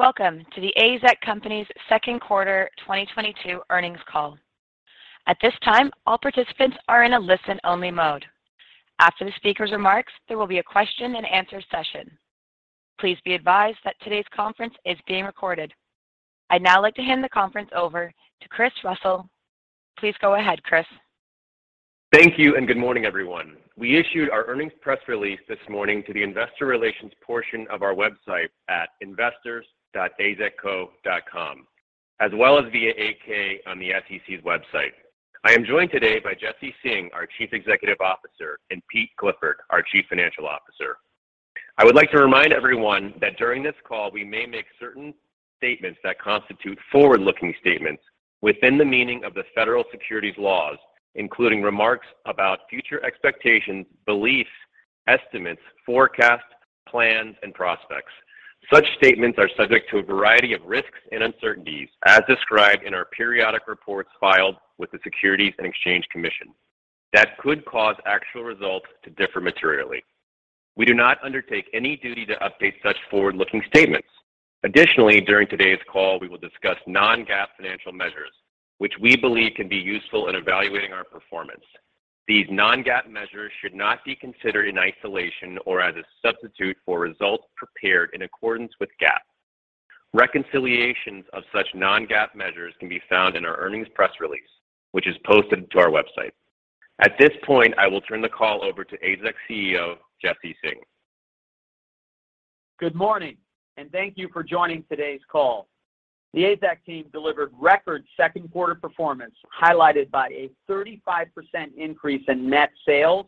Welcome to The AZEK Company's Second Quarter 2022 Earnings Call. At this time, all participants are in a listen-only mode. After the speaker's remarks, there will be a question-and-answer session. Please be advised that today's conference is being recorded. I'd now like to hand the conference over to Chris Russell. Please go ahead, Chris. Thank you, and good morning, everyone. We issued our earnings press release this morning to the Investor Relations portion of our website at investors.azekco.com, as well as via 8-K on the SEC's website. I am joined today by Jesse Singh, our Chief Executive Officer, and Peter Clifford, our Chief Financial Officer. I would like to remind everyone that during this call, we may make certain statements that constitute forward-looking statements within the meaning of the Federal securities laws, including remarks about future expectations, beliefs, estimates, forecasts, plans, and prospects. Such statements are subject to a variety of risks and uncertainties as described in our periodic reports filed with the Securities and Exchange Commission that could cause actual results to differ materially. We do not undertake any duty to update such forward-looking statements. Additionally, during today's call, we will discuss non-GAAP financial measures, which we believe can be useful in evaluating our performance. These non-GAAP measures should not be considered in isolation or as a substitute for results prepared in accordance with GAAP. Reconciliations of such non-GAAP measures can be found in our earnings press release, which is posted to our website. At this point, I will turn the call over to AZEK's CEO, Jesse Singh. Good morning, and thank you for joining today's call. The AZEK team delivered record second quarter performance, highlighted by a 35% increase in net sales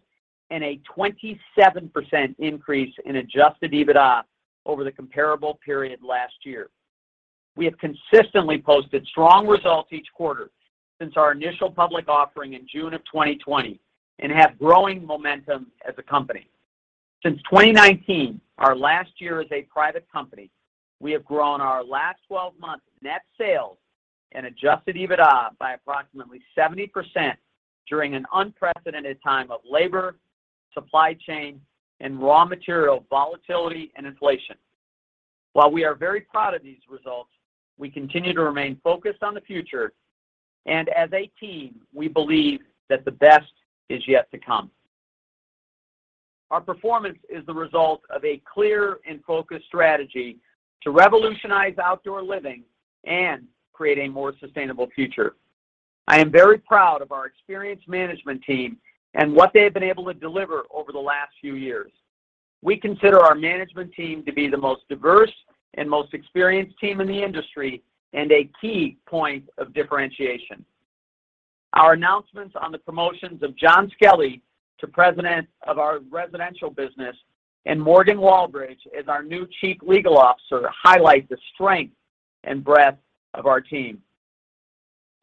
and a 27% increase in Adjusted EBITDA over the comparable period last year. We have consistently posted strong results each quarter since our initial public offering in June of 2020 and have growing momentum as a company. Since 2019, our last year as a private company, we have grown our last 12 months net sales and Adjusted EBITDA by approximately 70% during an unprecedented time of labor, supply chain, and raw material volatility and inflation. While we are very proud of these results, we continue to remain focused on the future, and as a team, we believe that the best is yet to come. Our performance is the result of a clear and focused strategy to revolutionize outdoor living and create a more sustainable future. I am very proud of our experienced management team and what they have been able to deliver over the last few years. We consider our management team to be the most diverse and most experienced team in the industry and a key point of differentiation. Our announcements on the promotions of Jon Skelly to President of our residential business and Morgan Walbridge as our new Chief Legal Officer highlight the strength and breadth of our team.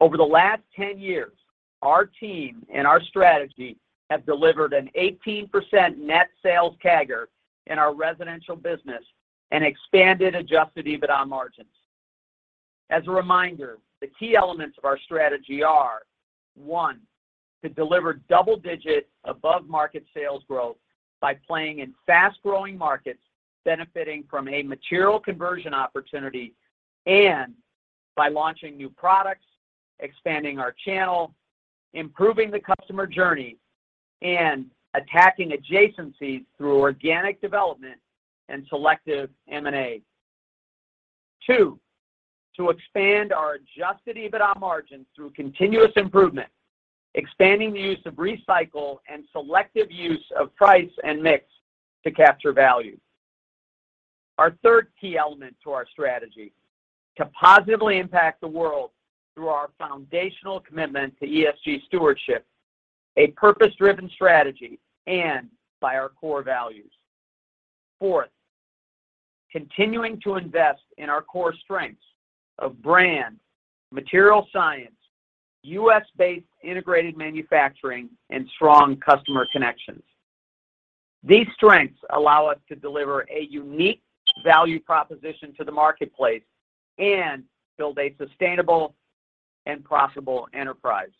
Over the last 10 years, our team and our strategy have delivered an 18% net sales CAGR in our residential business and expanded Adjusted EBITDA margins. As a reminder, the key elements of our strategy are one, to deliver double-digit above-market sales growth by playing in fast-growing markets, benefiting from a material conversion opportunity and by launching new products, expanding our channel, improving the customer journey, and attacking adjacencies through organic development and selective M&A. Two, to expand our Adjusted EBITDA margins through continuous improvement, expanding the use of recycle and selective use of price and mix to capture value. Our third key element to our strategy, to positively impact the world through our foundational commitment to ESG stewardship, a purpose-driven strategy, and by our core values. Fourth, continuing to invest in our core strengths of brand, material science, U.S.-based integrated manufacturing, and strong customer connections. These strengths allow us to deliver a unique value proposition to the marketplace and build a sustainable and profitable enterprise.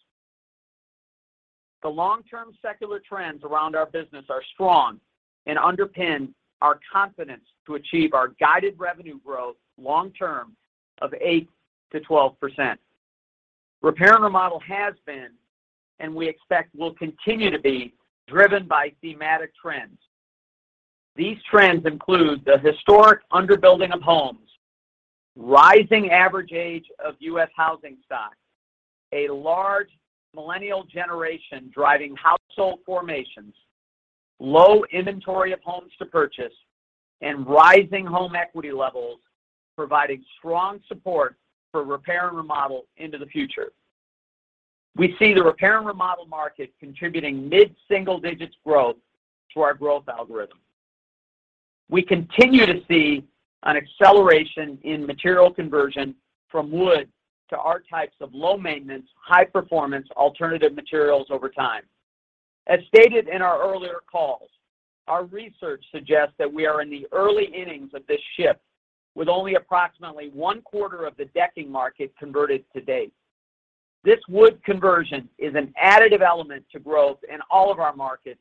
The long-term secular trends around our business are strong and underpin our confidence to achieve our guided revenue growth long-term of 8%-12%. Repair and remodel has been, and we expect will continue to be, driven by thematic trends. These trends include the historic under-building of homes, rising average age of U.S. housing stock, a large Millennial generation driving household formations, low inventory of homes to purchase, and rising home equity levels, providing strong support for repair and remodel into the future. We see the repair and remodel market contributing mid-single digits growth to our growth algorithm. We continue to see an acceleration in material conversion from wood to our types of low-maintenance, high-performance alternative materials over time. As stated in our earlier calls, our research suggests that we are in the early innings of this shift, with only approximately one quarter of the decking market converted to date. This wood conversion is an additive element to growth in all of our markets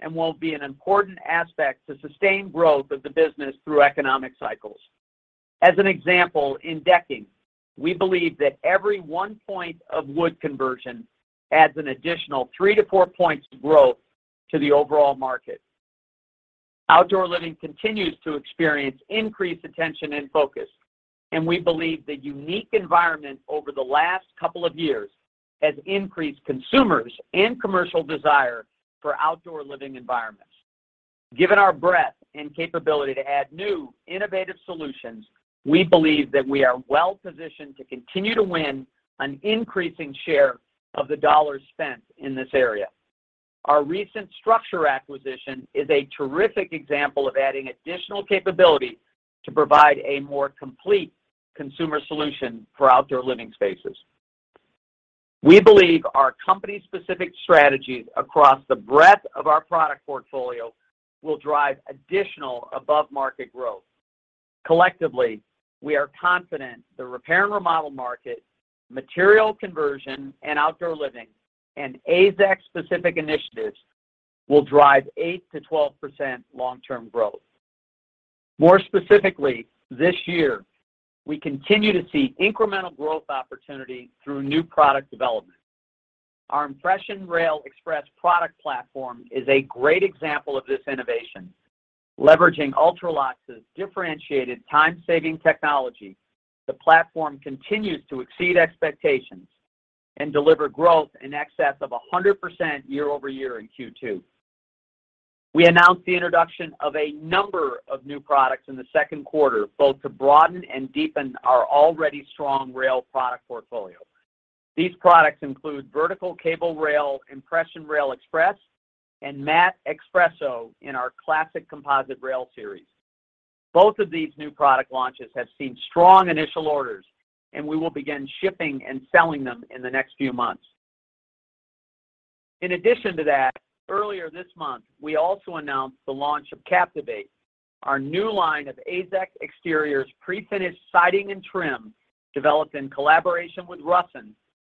and will be an important aspect to sustain growth of the business through economic cycles. As an example, in decking, we believe that every one point of wood conversion adds an additional three to four points of growth to the overall market. Outdoor living continues to experience increased attention and focus, and we believe the unique environment over the last couple of years has increased consumers and commercial desire for outdoor living environments. Given our breadth and capability to add new innovative solutions, we believe that we are well positioned to continue to win an increasing share of the dollars spent in this area. Our recent StruXure acquisition is a terrific example of adding additional capability to provide a more complete consumer solution for outdoor living spaces. We believe our company-specific strategies across the breadth of our product portfolio will drive additional above-market growth. Collectively, we are confident the repair and remodel market, material conversion and outdoor living, and AZEK-specific initiatives will drive 8%-12% long-term growth. More specifically, this year, we continue to see incremental growth opportunity through new product development. Our Impression Rail Express product platform is a great example of this innovation. Leveraging Ultralox's differentiated time-saving technology, the platform continues to exceed expectations and deliver growth in excess of 100% year-over-year in Q2. We announced the introduction of a number of new products in the second quarter, both to broaden and deepen our already strong rail product portfolio. These products include Vertical Cable Rail, Impression Rail Express, and Matte Espresso in our Classic Composite Rail series. Both of these new product launches have seen strong initial orders, and we will begin shipping and selling them in the next few months. In addition to that, earlier this month, we also announced the launch of Captivate, our new line of AZEK Exteriors prefinished siding and trim, developed in collaboration with Russin,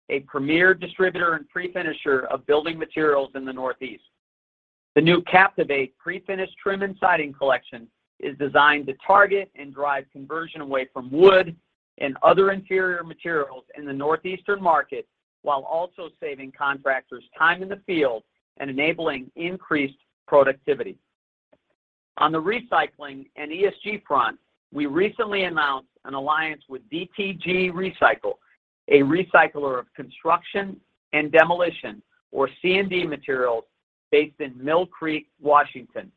a premier distributor and prefinisher of building materials in the Northeast. The new Captivate prefinished trim and siding collection is designed to target and drive conversion away from wood and other interior materials in the Northeastern market while also saving contractors time in the field and enabling increased productivity. On the recycling and ESG front, we recently announced an alliance with DTG Recycle, a recycler of construction and demolition, or C&D materials, based in Mill Creek, Washington.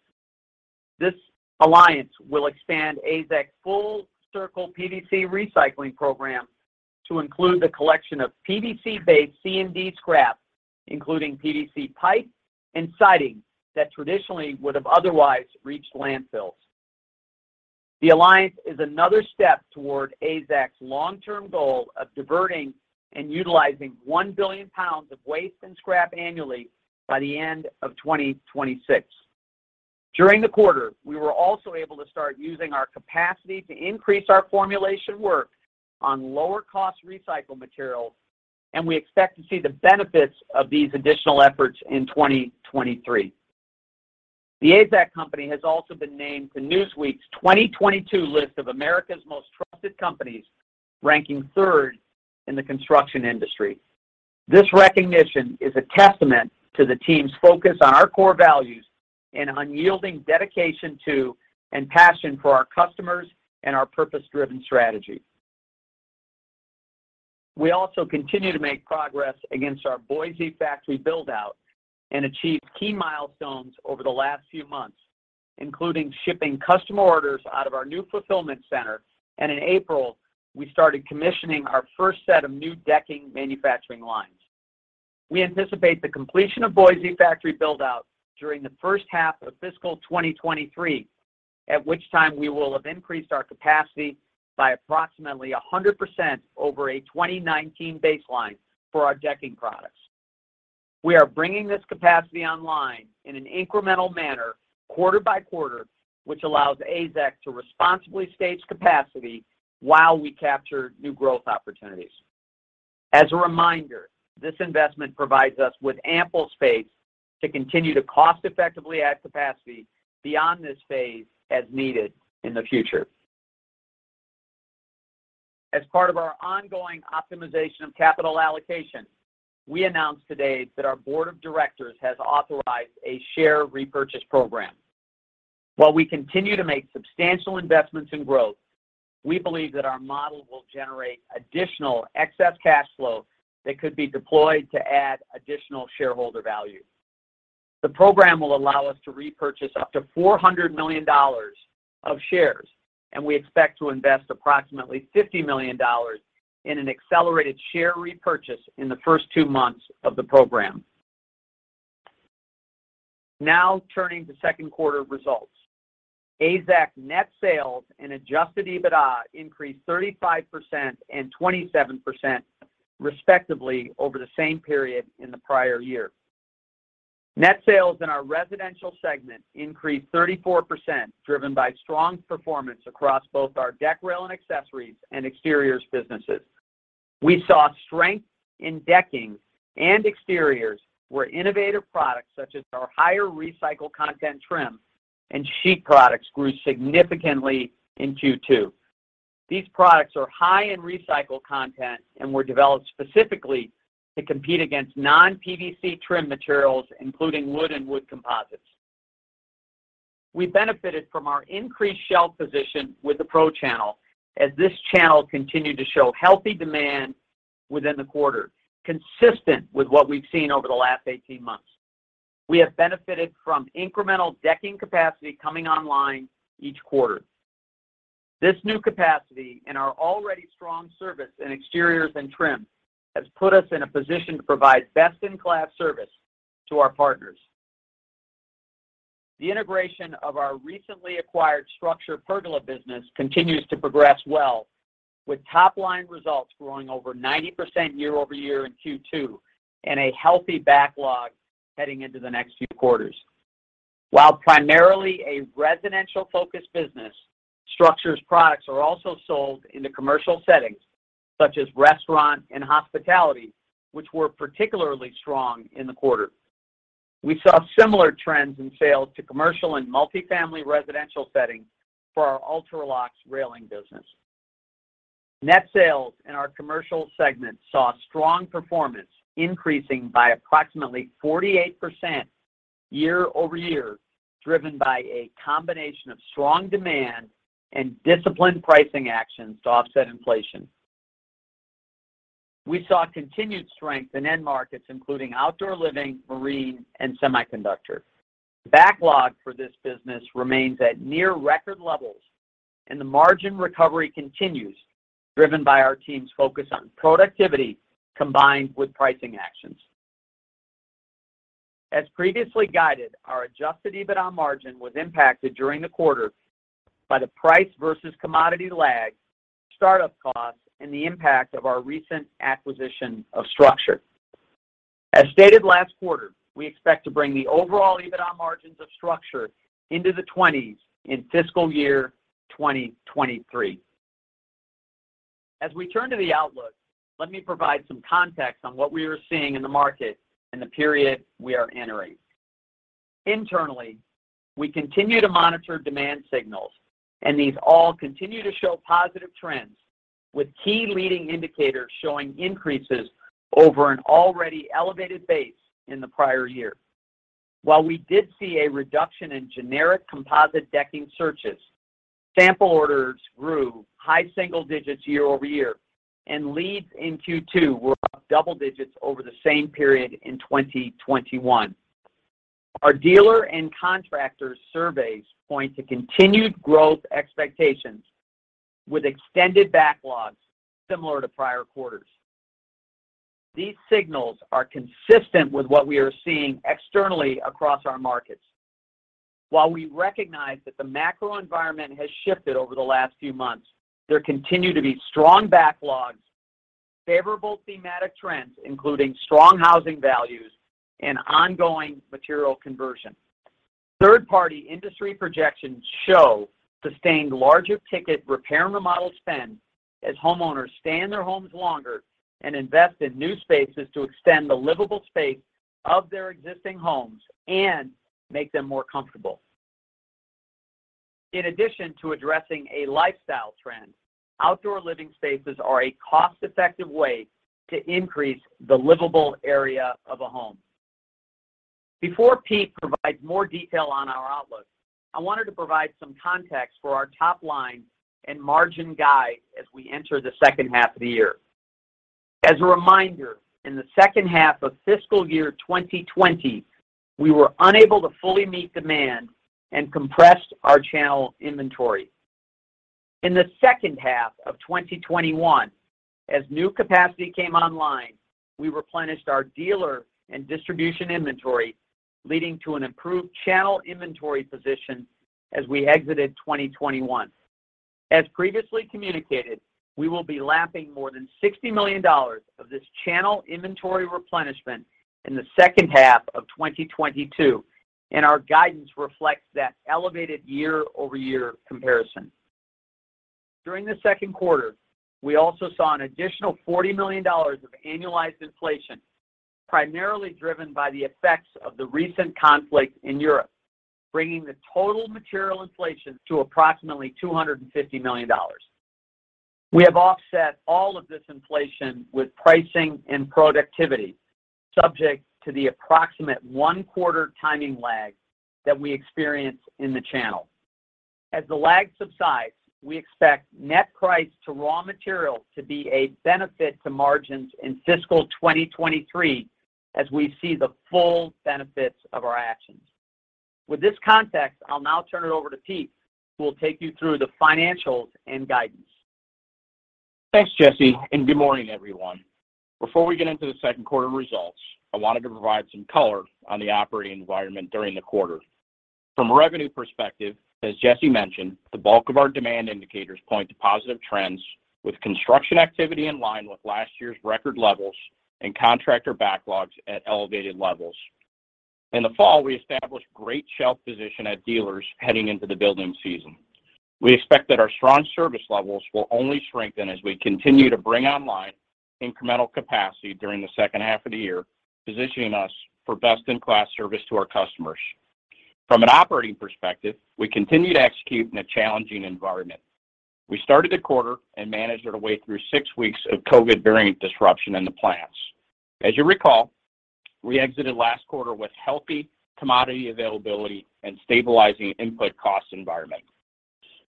This alliance will expand AZEK's full-circle PVC recycling program to include the collection of PVC-based C&D scrap, including PVC pipe and siding that traditionally would have otherwise reached landfills. The alliance is another step toward AZEK's long-term goal of diverting and utilizing 1 billion lbs of waste and scrap annually by the end of 2026. During the quarter, we were also able to start using our capacity to increase our formulation work on lower-cost recycled materials, and we expect to see the benefits of these additional efforts in 2023. The AZEK Company has also been named to Newsweek's 2022 list of America's Most Trusted Companies, ranking third in the construction industry. This recognition is a testament to the team's focus on our core values and unyielding dedication to and passion for our customers and our purpose-driven strategy. We also continue to make progress against our Boise factory build-out and achieved key milestones over the last few months, including shipping customer orders out of our new fulfillment center, and in April, we started commissioning our first set of new decking manufacturing lines. We anticipate the completion of Boise factory build-out during the first half of fiscal 2023, at which time we will have increased our capacity by approximately 100% over a 2019 baseline for our decking products. We are bringing this capacity online in an incremental manner quarter-by-quarter, which allows AZEK to responsibly stage capacity while we capture new growth opportunities. As a reminder, this investment provides us with ample space to continue to cost-effectively add capacity beyond this phase as needed in the future. As part of our ongoing optimization of capital allocation, we announced today that our board of directors has authorized a share repurchase program. While we continue to make substantial investments in growth, we believe that our model will generate additional excess cash flow that could be deployed to add additional shareholder value. The program will allow us to repurchase up to $400 million of shares, and we expect to invest approximately $50 million in an accelerated share repurchase in the first two months of the program. Now turning to second quarter results. AZEK net sales and Adjusted EBITDA increased 35% and 27% respectively over the same period in the prior year. Net sales in our residential segment increased 34%, driven by strong performance across both our deck rail and accessories and exteriors businesses. We saw strength in decking and exteriors, where innovative products such as our higher recycled content trim and sheet products grew significantly in Q2. These products are high in recycled content and were developed specifically to compete against non-PVC trim materials, including wood and wood composites. We benefited from our increased shelf position with the pro channel as this channel continued to show healthy demand within the quarter, consistent with what we've seen over the last 18 months. We have benefited from incremental decking capacity coming online each quarter. This new capacity and our already strong service in exteriors and trim has put us in a position to provide best-in-class service to our partners. The integration of our recently acquired StruXure pergola business continues to progress well, with top-line results growing over 90% year-over-year in Q2 and a healthy backlog heading into the next few quarters. While primarily a residential-focused business, StruXure's products are also sold in the commercial settings, such as restaurant and hospitality, which were particularly strong in the quarter. We saw similar trends in sales to commercial and multi-family residential settings for our Ultralox railing business. Net sales in our commercial segment saw strong performance, increasing by approximately 48% year-over-year, driven by a combination of strong demand and disciplined pricing actions to offset inflation. We saw continued strength in end markets, including outdoor living, marine, and semiconductor. Backlog for this business remains at near record levels, and the margin recovery continues, driven by our team's focus on productivity combined with pricing actions. As previously guided, our Adjusted EBITDA margin was impacted during the quarter by the price versus commodity lag, startup costs, and the impact of our recent acquisition of StruXure. As stated last quarter, we expect to bring the overall EBITDA margins of StruXure into the 20s% in fiscal year 2023. As we turn to the outlook, let me provide some context on what we are seeing in the market and the period we are entering. Internally, we continue to monitor demand signals, and these all continue to show positive trends, with key leading indicators showing increases over an already elevated base in the prior year. While we did see a reduction in generic composite decking searches, sample orders grew high single digits year-over-year, and leads in Q2 were up double digits over the same period in 2021. Our dealer and contractor surveys point to continued growth expectations with extended backlogs similar to prior quarters. These signals are consistent with what we are seeing externally across our markets. While we recognize that the macro environment has shifted over the last few months, there continue to be strong backlogs, favorable thematic trends, including strong housing values and ongoing material conversion. Third-party industry projections show sustained larger ticket repair and remodel spend as homeowners stay in their homes longer and invest in new spaces to extend the livable space of their existing homes and make them more comfortable. In addition to addressing a lifestyle trend, outdoor living spaces are a cost-effective way to increase the livable area of a home. Before Pete provides more detail on our outlook, I wanted to provide some context for our top line and margin guide as we enter the second half of the year. As a reminder, in the second half of fiscal year 2020, we were unable to fully meet demand and compressed our channel inventory. In the second half of 2021, as new capacity came online, we replenished our dealer and distribution inventory, leading to an improved channel inventory position as we exited 2021. As previously communicated, we will be lapping more than $60 million of this channel inventory replenishment in the second half of 2022, and our guidance reflects that elevated year-over-year comparison. During the second quarter, we also saw an additional $40 million of annualized inflation, primarily driven by the effects of the recent conflict in Europe, bringing the total material inflation to approximately $250 million. We have offset all of this inflation with pricing and productivity, subject to the approximate one-quarter timing lag that we experience in the channel. As the lag subsides, we expect net price to raw material to be a benefit to margins in fiscal 2023 as we see the full benefits of our actions. With this context, I'll now turn it over to Pete, who will take you through the financials and guidance. Thanks, Jesse, and good morning, everyone. Before we get into the second quarter results, I wanted to provide some color on the operating environment during the quarter. From a revenue perspective, as Jesse mentioned, the bulk of our demand indicators point to positive trends with construction activity in line with last year's record levels and contractor backlogs at elevated levels. In the fall, we established great shelf position at dealers heading into the building season. We expect that our strong service levels will only strengthen as we continue to bring online incremental capacity during the second half of the year, positioning us for best-in-class service to our customers. From an operating perspective, we continue to execute in a challenging environment. We started the quarter and managed our way through six weeks of COVID variant disruption in the plants. As you recall, we exited last quarter with healthy commodity availability and stabilizing input cost environment.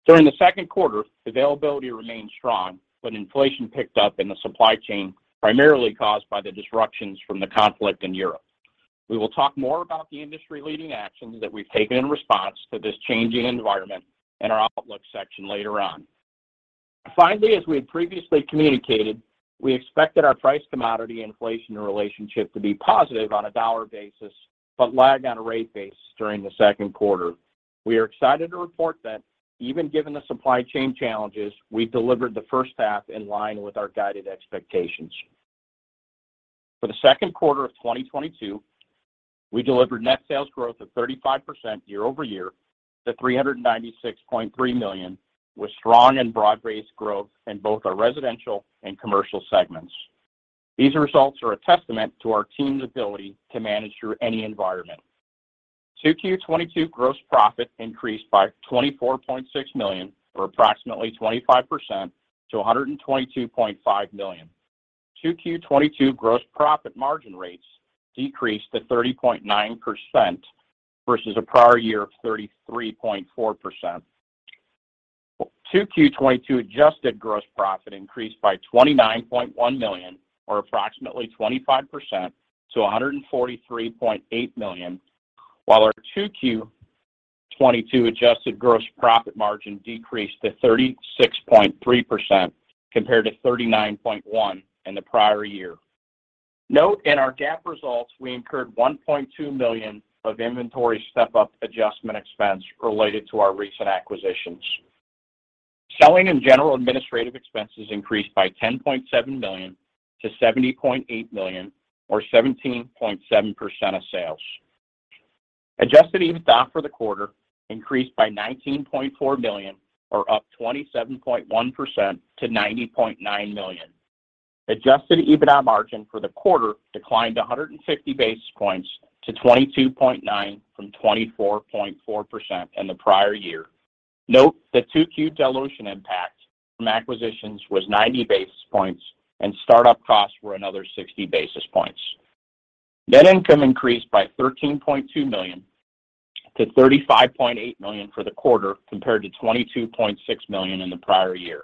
During the second quarter, availability remained strong, but inflation picked up in the supply chain, primarily caused by the disruptions from the conflict in Europe. We will talk more about the industry-leading actions that we've taken in response to this changing environment in our outlook section later on. Finally, as we had previously communicated, we expected our price commodity inflation relationship to be positive on a dollar basis but lagged on a rate basis during the second quarter. We are excited to report that even given the supply chain challenges, we delivered the first half in line with our guided expectations. For the second quarter of 2022, we delivered net sales growth of 35% year-over-year to $396.3 million, with strong and broad-based growth in both our residential and commercial segments. These results are a testament to our team's ability to manage through any environment. 2Q22 gross profit increased by $24.6 million, or approximately 25% to $122.5 million. 2Q22 gross profit margin rates decreased to 30.9% versus a prior year of 33.4%. 2Q22 adjusted gross profit increased by $29.1 million or approximately 25% to $143.8 million, while our 2Q22 adjusted gross profit margin decreased to 36.3% compared to 39.1% in the prior year. Note in our GAAP results, we incurred $1.2 million of inventory step-up adjustment expense related to our recent acquisitions. Selling and general administrative expenses increased by $10.7 million-$70.8 million or 17.7% of sales. Adjusted EBITDA for the quarter increased by $19.4 million or up 27.1% to $90.9 million. Adjusted EBITDA margin for the quarter declined 150 basis points to 22.9% from 24.4% in the prior year. Note the 2Q dilution impact from acquisitions was 90 basis points, and start-up costs were another 60 basis points. Net income increased by $13.2 million-$35.8 million for the quarter compared to $22.6 million in the prior year.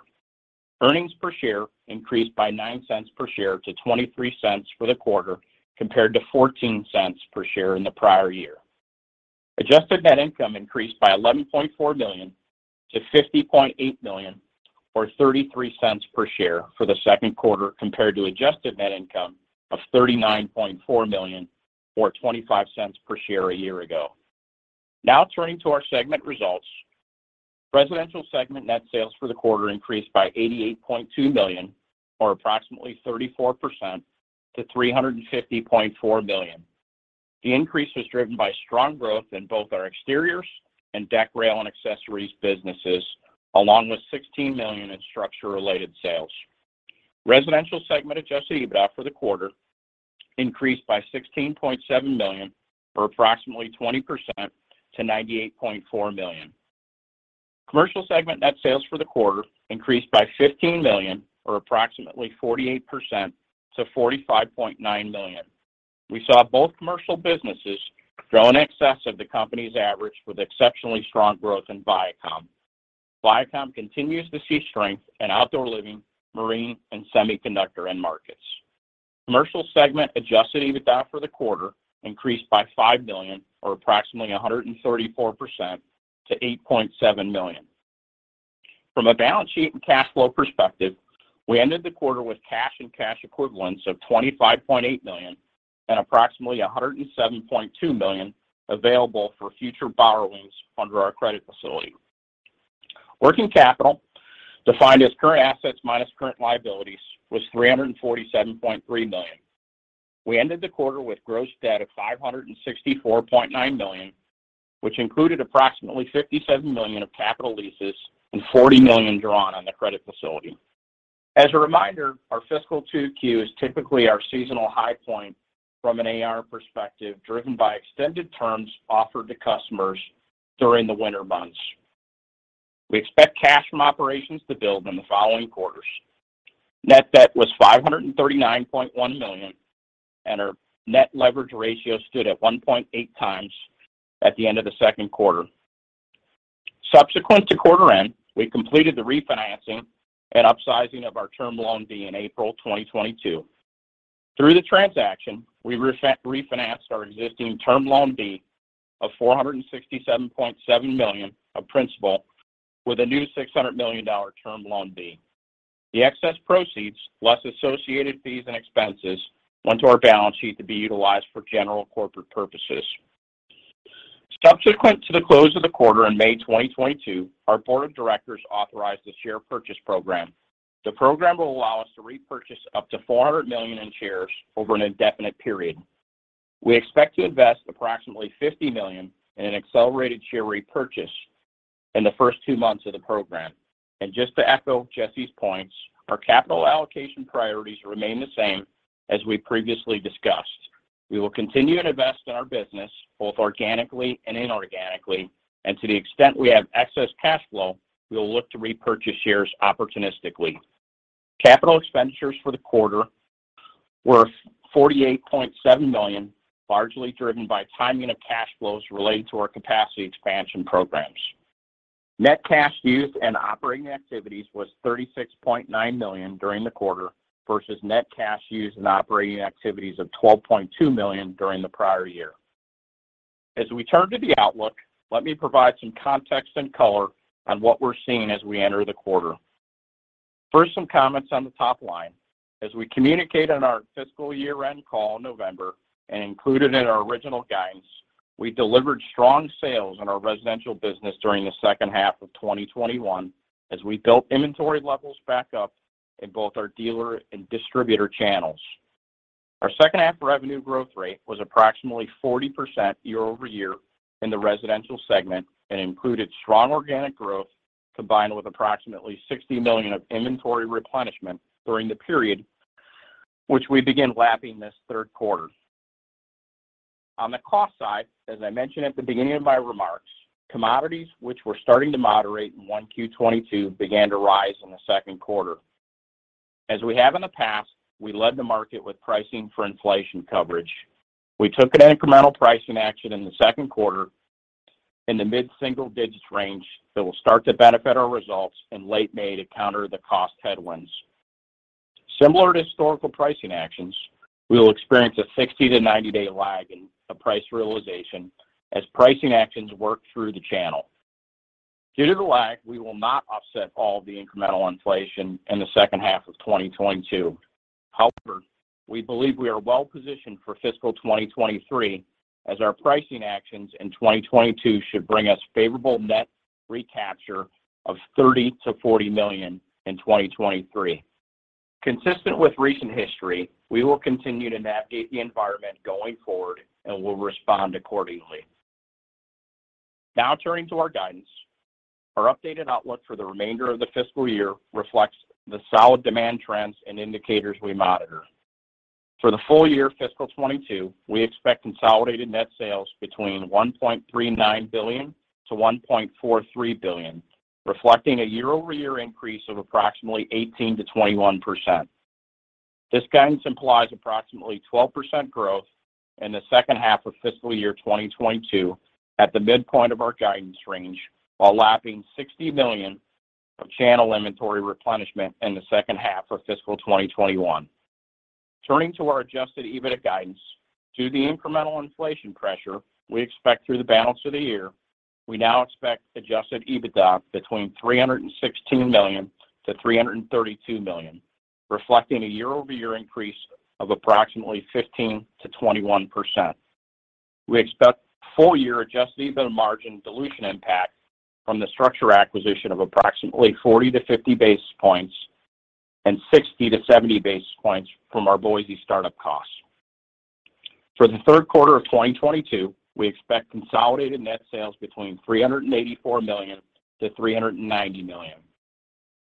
Earnings per share increased by $0.09 per share to $0.23 for the quarter compared to $0.14 per share in the prior year. Adjusted net income increased by $11.4 million-$50.8 million or $0.33 per share for the second quarter compared to adjusted net income of $39.4 million or $0.25 per share a year ago. Now turning to our segment results. Residential Segment net sales for the quarter increased by $88.2 million or approximately 34% to $350.4 million. The increase was driven by strong growth in both our Exteriors and deck, rail, and accessories businesses, along with $16 million in StruXure related sales. Residential Segment Adjusted EBITDA for the quarter increased by $16.7 million or approximately 20% to $98.4 million. Commercial segment net sales for the quarter increased by $15 million or approximately 48% to $45.9 million. We saw both commercial businesses grow in excess of the company's average with exceptionally strong growth in Vycom. Vycom continues to see strength in outdoor living, marine, and semiconductor end markets. Commercial segment Adjusted EBITDA for the quarter increased by $5 million or approximately 134% to $8.7 million. From a balance sheet and cash flow perspective, we ended the quarter with cash and cash equivalents of $25.8 million and approximately $107.2 million available for future borrowings under our credit facility. Working capital, defined as current assets minus current liabilities, was $347.3 million. We ended the quarter with gross debt of $564.9 million, which included approximately $57 million of capital leases and $40 million drawn on the credit facility. As a reminder, our fiscal 2Q is typically our seasonal high point from an AR perspective, driven by extended terms offered to customers during the winter months. We expect cash from operations to build in the following quarters. Net debt was $539.1 million, and our net leverage ratio stood at 1.8x at the end of the second quarter. Subsequent to quarter end, we completed the refinancing and upsizing of our Term Loan B in April 2022. Through the transaction, we refinanced our existing Term Loan B of $467.7 million of principal with a new $600 million Term Loan B. The excess proceeds, less associated fees and expenses, went to our balance sheet to be utilized for general corporate purposes. Subsequent to the close of the quarter in May 2022, our board of directors authorized the share purchase program. The program will allow us to repurchase up to $400 million in shares over an indefinite period. We expect to invest approximately $50 million in an accelerated share repurchase in the first two months of the program. Just to echo Jesse's points, our capital allocation priorities remain the same as we previously discussed. We will continue to invest in our business, both organically and inorganically, and to the extent we have excess cash flow, we will look to repurchase shares opportunistically. Capital expenditures for the quarter were $48.7 million, largely driven by timing of cash flows related to our capacity expansion programs. Net cash used in operating activities was $36.9 million during the quarter versus net cash used in operating activities of $12.2 million during the prior year. As we turn to the outlook, let me provide some context and color on what we're seeing as we enter the quarter. First, some comments on the top line. As we communicated in our fiscal year-end call in November and included in our original guidance, we delivered strong sales in our residential business during the second half of 2021 as we built inventory levels back up in both our dealer and distributor channels. Our second half revenue growth rate was approximately 40% year-over-year in the residential segment and included strong organic growth combined with approximately $60 million of inventory replenishment during the period which we begin lapping this third quarter. On the cost side, as I mentioned at the beginning of my remarks, commodities which were starting to moderate in 1Q 2022 began to rise in the second quarter. As we have in the past, we led the market with pricing for inflation coverage. We took an incremental pricing action in the second quarter in the mid-single-digit range that will start to benefit our results in late May to counter the cost headwinds. Similar to historical pricing actions, we will experience a 60-90 day lag in the price realization as pricing actions work through the channel. Due to the lag, we will not offset all the incremental inflation in the second half of 2022. However, we believe we are well positioned for fiscal 2023 as our pricing actions in 2022 should bring us favorable net recapture of $30 million-$40 million in 2023. Consistent with recent history, we will continue to navigate the environment going forward and will respond accordingly. Now turning to our guidance. Our updated outlook for the remainder of the fiscal year reflects the solid demand trends and indicators we monitor. For the full year fiscal 2022, we expect consolidated net sales between $1.39 billion-$1.43 billion, reflecting a year-over-year increase of approximately 18%-21%. This guidance implies approximately 12% growth in the second half of fiscal year 2022 at the midpoint of our guidance range, while lapping $60 million of channel inventory replenishment in the second half of fiscal 2021. Turning to our Adjusted EBITDA guidance. Due to the incremental inflation pressure we expect through the balance of the year, we now expect Adjusted EBITDA between $316 million-$332 million, reflecting a year-over-year increase of approximately 15%-21%. We expect full year Adjusted EBITDA margin dilution impact from the StruXure acquisition of approximately 40-50 basis points and 60-70 basis points from our Boise startup costs. For the third quarter of 2022, we expect consolidated net sales between $384 million and $390 million.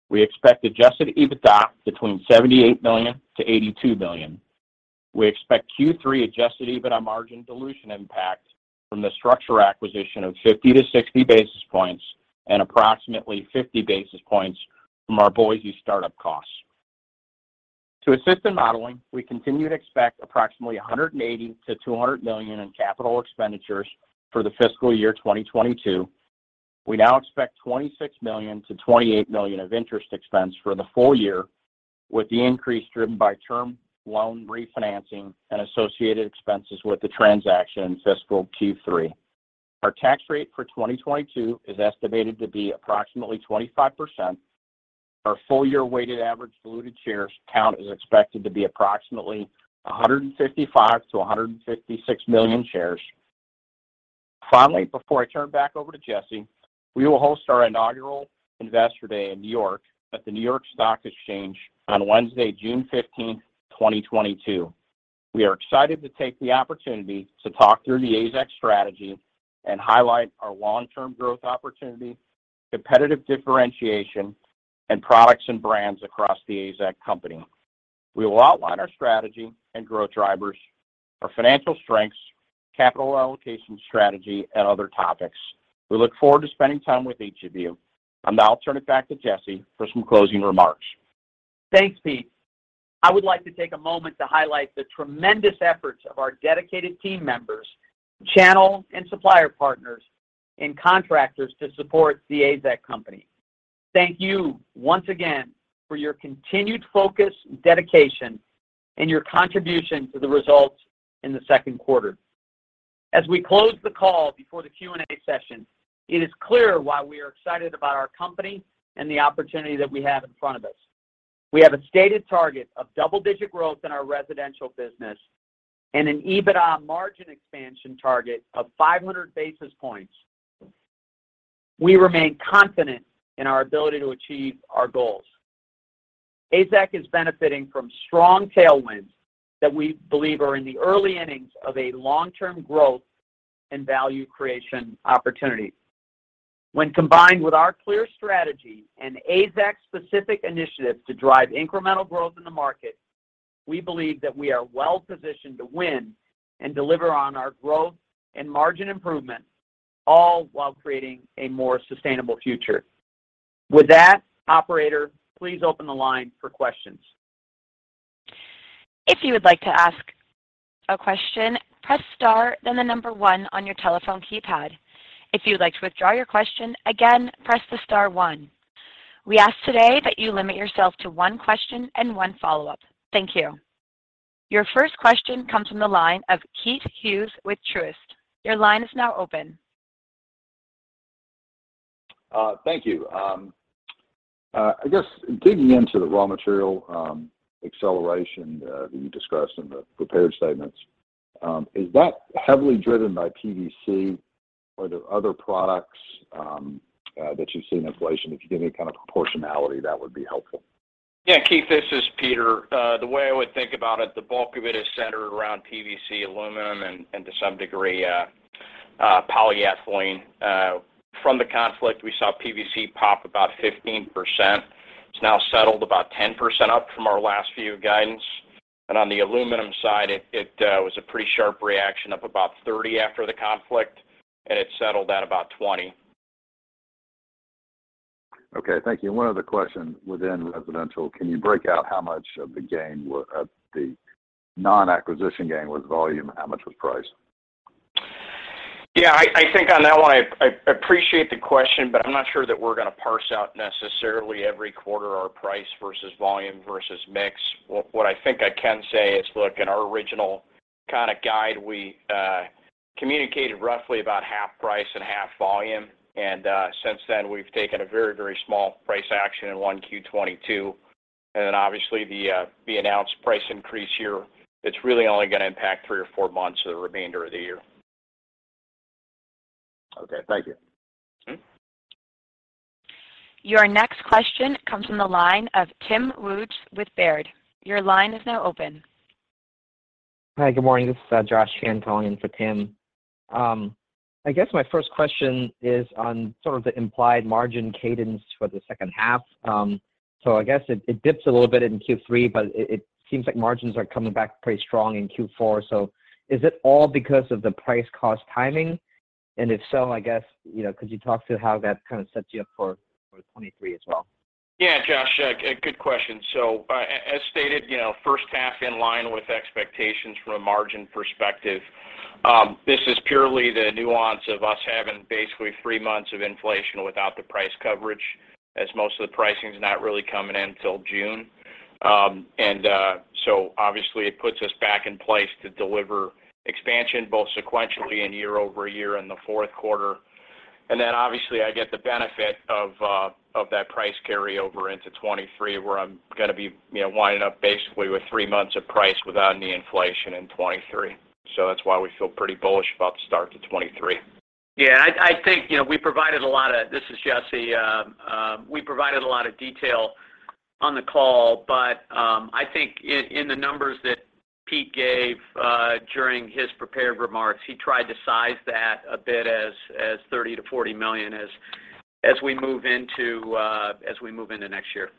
We expect Adjusted EBITDA between $78 million and $82 million. We expect Q3 Adjusted EBITDA margin dilution impact from the StruXure acquisition of 50-60 basis points and approximately 50 basis points from our Boise startup costs. To assist in modeling, we continue to expect approximately $180 million-$200 million in capital expenditures for the fiscal year 2022. We now expect $26 million-$28 million of interest expense for the full year, with the increase driven by term loan refinancing and associated expenses with the transaction in fiscal Q3. Our tax rate for 2022 is estimated to be approximately 25%. Our full year weighted average diluted shares count is expected to be approximately 155 million-156 million shares. Finally, before I turn it back over to Jesse, we will host our inaugural Investor Day in New York at the New York Stock Exchange on Wednesday, June 15th, 2022. We are excited to take the opportunity to talk through the AZEK strategy and highlight our long-term growth opportunity, competitive differentiation, and products and brands across the AZEK Company. We will outline our strategy and growth drivers, our financial strengths, capital allocation strategy, and other topics. We look forward to spending time with each of you. Now I'll turn it back to Jesse for some closing remarks. Thanks, Pete. I would like to take a moment to highlight the tremendous efforts of our dedicated team members, channel and supplier partners, and contractors to support The AZEK Company. Thank you once again for your continued focus and dedication and your contribution to the results in the second quarter. As we close the call before the Q&A session, it is clear why we are excited about our company and the opportunity that we have in front of us. We have a stated target of double-digit growth in our residential business and an EBITDA margin expansion target of 500 basis points. We remain confident in our ability to achieve our goals. AZEK is benefiting from strong tailwinds that we believe are in the early innings of a long-term growth and value creation opportunity. When combined with our clear strategy and AZEK-specific initiatives to drive incremental growth in the market, we believe that we are well-positioned to win and deliver on our growth and margin improvements, all while creating a more sustainable future. With that, Operator, please open the line for questions. If you would like to ask a question, press star, then the number one on your telephone keypad. If you would like to withdraw your question, again, press the star one. We ask today that you limit yourself to one question and one follow-up. Thank you. Your first question comes from the line of Keith Hughes with Truist. Your line is now open. Thank you. I guess digging into the raw material acceleration that you discussed in the prepared statements, is that heavily driven by PVC or the other products that you see in inflation? If you give me any kind of proportionality, that would be helpful. Yeah, Keith, this is Peter. The way I would think about it, the bulk of it is centered around PVC, aluminum, and to some degree, polyethylene. From the conflict, we saw PVC pop about 15%. It's now settled about 10% up from our last view of guidance. On the aluminum side, it was a pretty sharp reaction, up about 30% after the conflict, and it settled at about 20%. Okay. Thank you. One other question within residential. Can you break out how much of the non-acquisition gain was volume and how much was price? Yeah, I think on that one, I appreciate the question, but I'm not sure that we're gonna parse out necessarily every quarter our price versus volume versus mix. What I think I can say is, look, in our original kinda guide, we communicated roughly about half price and half volume. Since then, we've taken a very, very small price action in 1Q 2022. Then obviously the announced price increase here, it's really only gonna impact three or four months of the remainder of the year. Okay. Thank you. Mm-hmm. Your next question comes from the line of Tim Wojs with Baird. Your line is now open. Hi, good morning. This is Josh Chan in for Tim. I guess my first question is on sort of the implied margin cadence for the second half. I guess it dips a little bit in Q3, but it seems like margins are coming back pretty strong in Q4. Is it all because of the price cost timing? If so, I guess, you know, could you talk to how that kind of sets you up for 2023 as well? Yeah. Josh, good question. As stated, you know, first half in line with expectations from a margin perspective. This is purely the nuance of us having basically three months of inflation without the price coverage, as most of the pricing's not really coming in till June. Obviously it puts us back in place to deliver expansion both sequentially and year-over-year in the fourth quarter. Obviously I get the benefit of that price carryover into 2023, where I'm gonna be, you know, winding up basically with three months of price without any inflation in 2023. That's why we feel pretty bullish about the start to 2023. Yeah, I think we provided a lot of. This is Jesse. We provided a lot of detail on the call. I think in the numbers that Pete gave during his prepared remarks, he tried to size that a bit as $30 million-$40 million as we move into next year.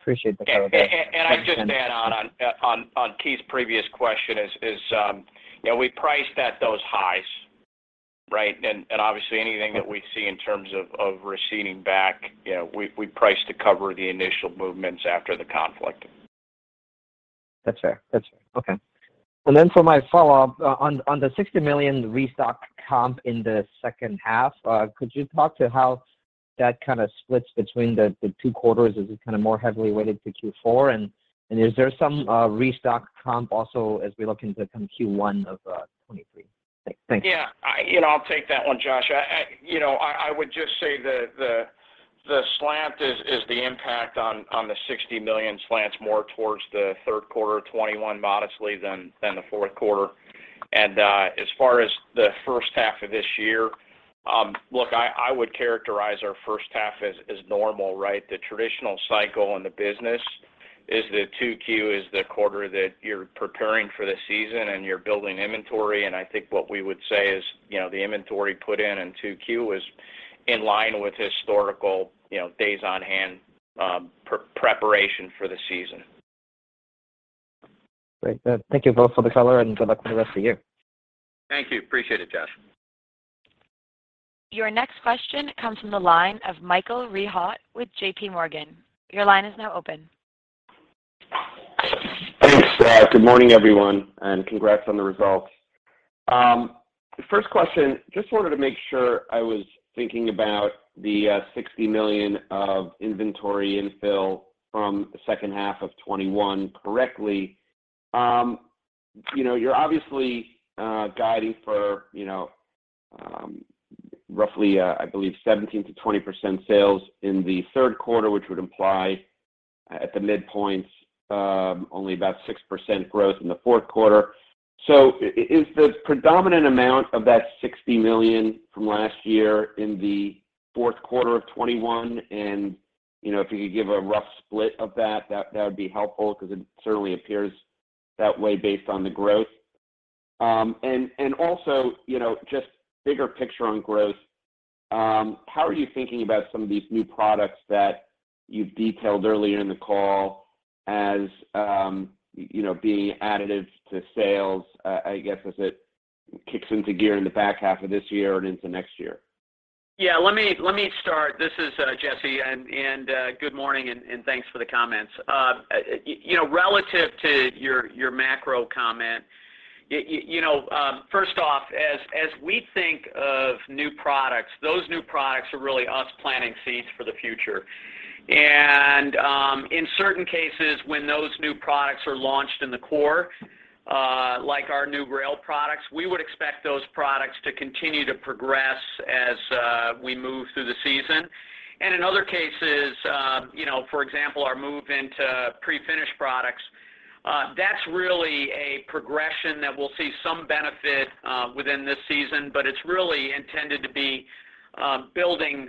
Appreciate the color, guys. I'd just add on Keith's previous question is, you know, we priced at those highs, right? Obviously anything that we see in terms of receding back, you know, we price to cover the initial movements after the conflict. That's fair. Okay. Then for my follow-up, on the $60 million restock comp in the second half, could you talk to how that kind of splits between the two quarters? Is it kind of more heavily weighted to Q4? Is there some restock comp also as we look into kind of Q1 of 2023? Thanks. Yeah. You know, I'll take that one, Josh. I would just say the impact on the $60 million is slanted more towards the third quarter 2021 modestly than the fourth quarter. As far as the first half of this year, look, I would characterize our first half as normal, right? The traditional cycle in the business is that 2Q is the quarter that you're preparing for the season and you're building inventory. I think what we would say is, you know, the inventory put in in 2Q was in line with historical, you know, days on hand, preparation for the season. Great. Thank you both for the color, and good luck with the rest of the year. Thank you. Appreciate it, Josh. Your next question comes from the line of Michael Rehaut with JPMorgan. Your line is now open. Thanks. Good morning, everyone, and congrats on the results. The first question, just wanted to make sure I was thinking about the $60 million of inventory infill from the second half of 2021 correctly. You know, you're obviously guiding for, you know, roughly, I believe 17%-20% sales in the third quarter, which would imply at the midpoints only about 6% growth in the fourth quarter. Is the predominant amount of that $60 million from last year in the fourth quarter of 2021? You know, if you could give a rough split of that would be helpful because it certainly appears that way based on the growth. You know, just bigger picture on growth, how are you thinking about some of these new products that you've detailed earlier in the call as, you know, being additive to sales, I guess, as it kicks into gear in the back half of this year and into next year? Yeah. Let me start. This is Jesse, good morning and thanks for the comments. You know, relative to your macro comment, you know, first off, as we think of new products, those new products are really us planting seeds for the future. In certain cases, when those new products are launched in the core, like our new rail products, we would expect those products to continue to progress as we move through the season. In other cases, you know, for example, our move into pre-finished products, that's really a progression that we'll see some benefit within this season, but it's really intended to be building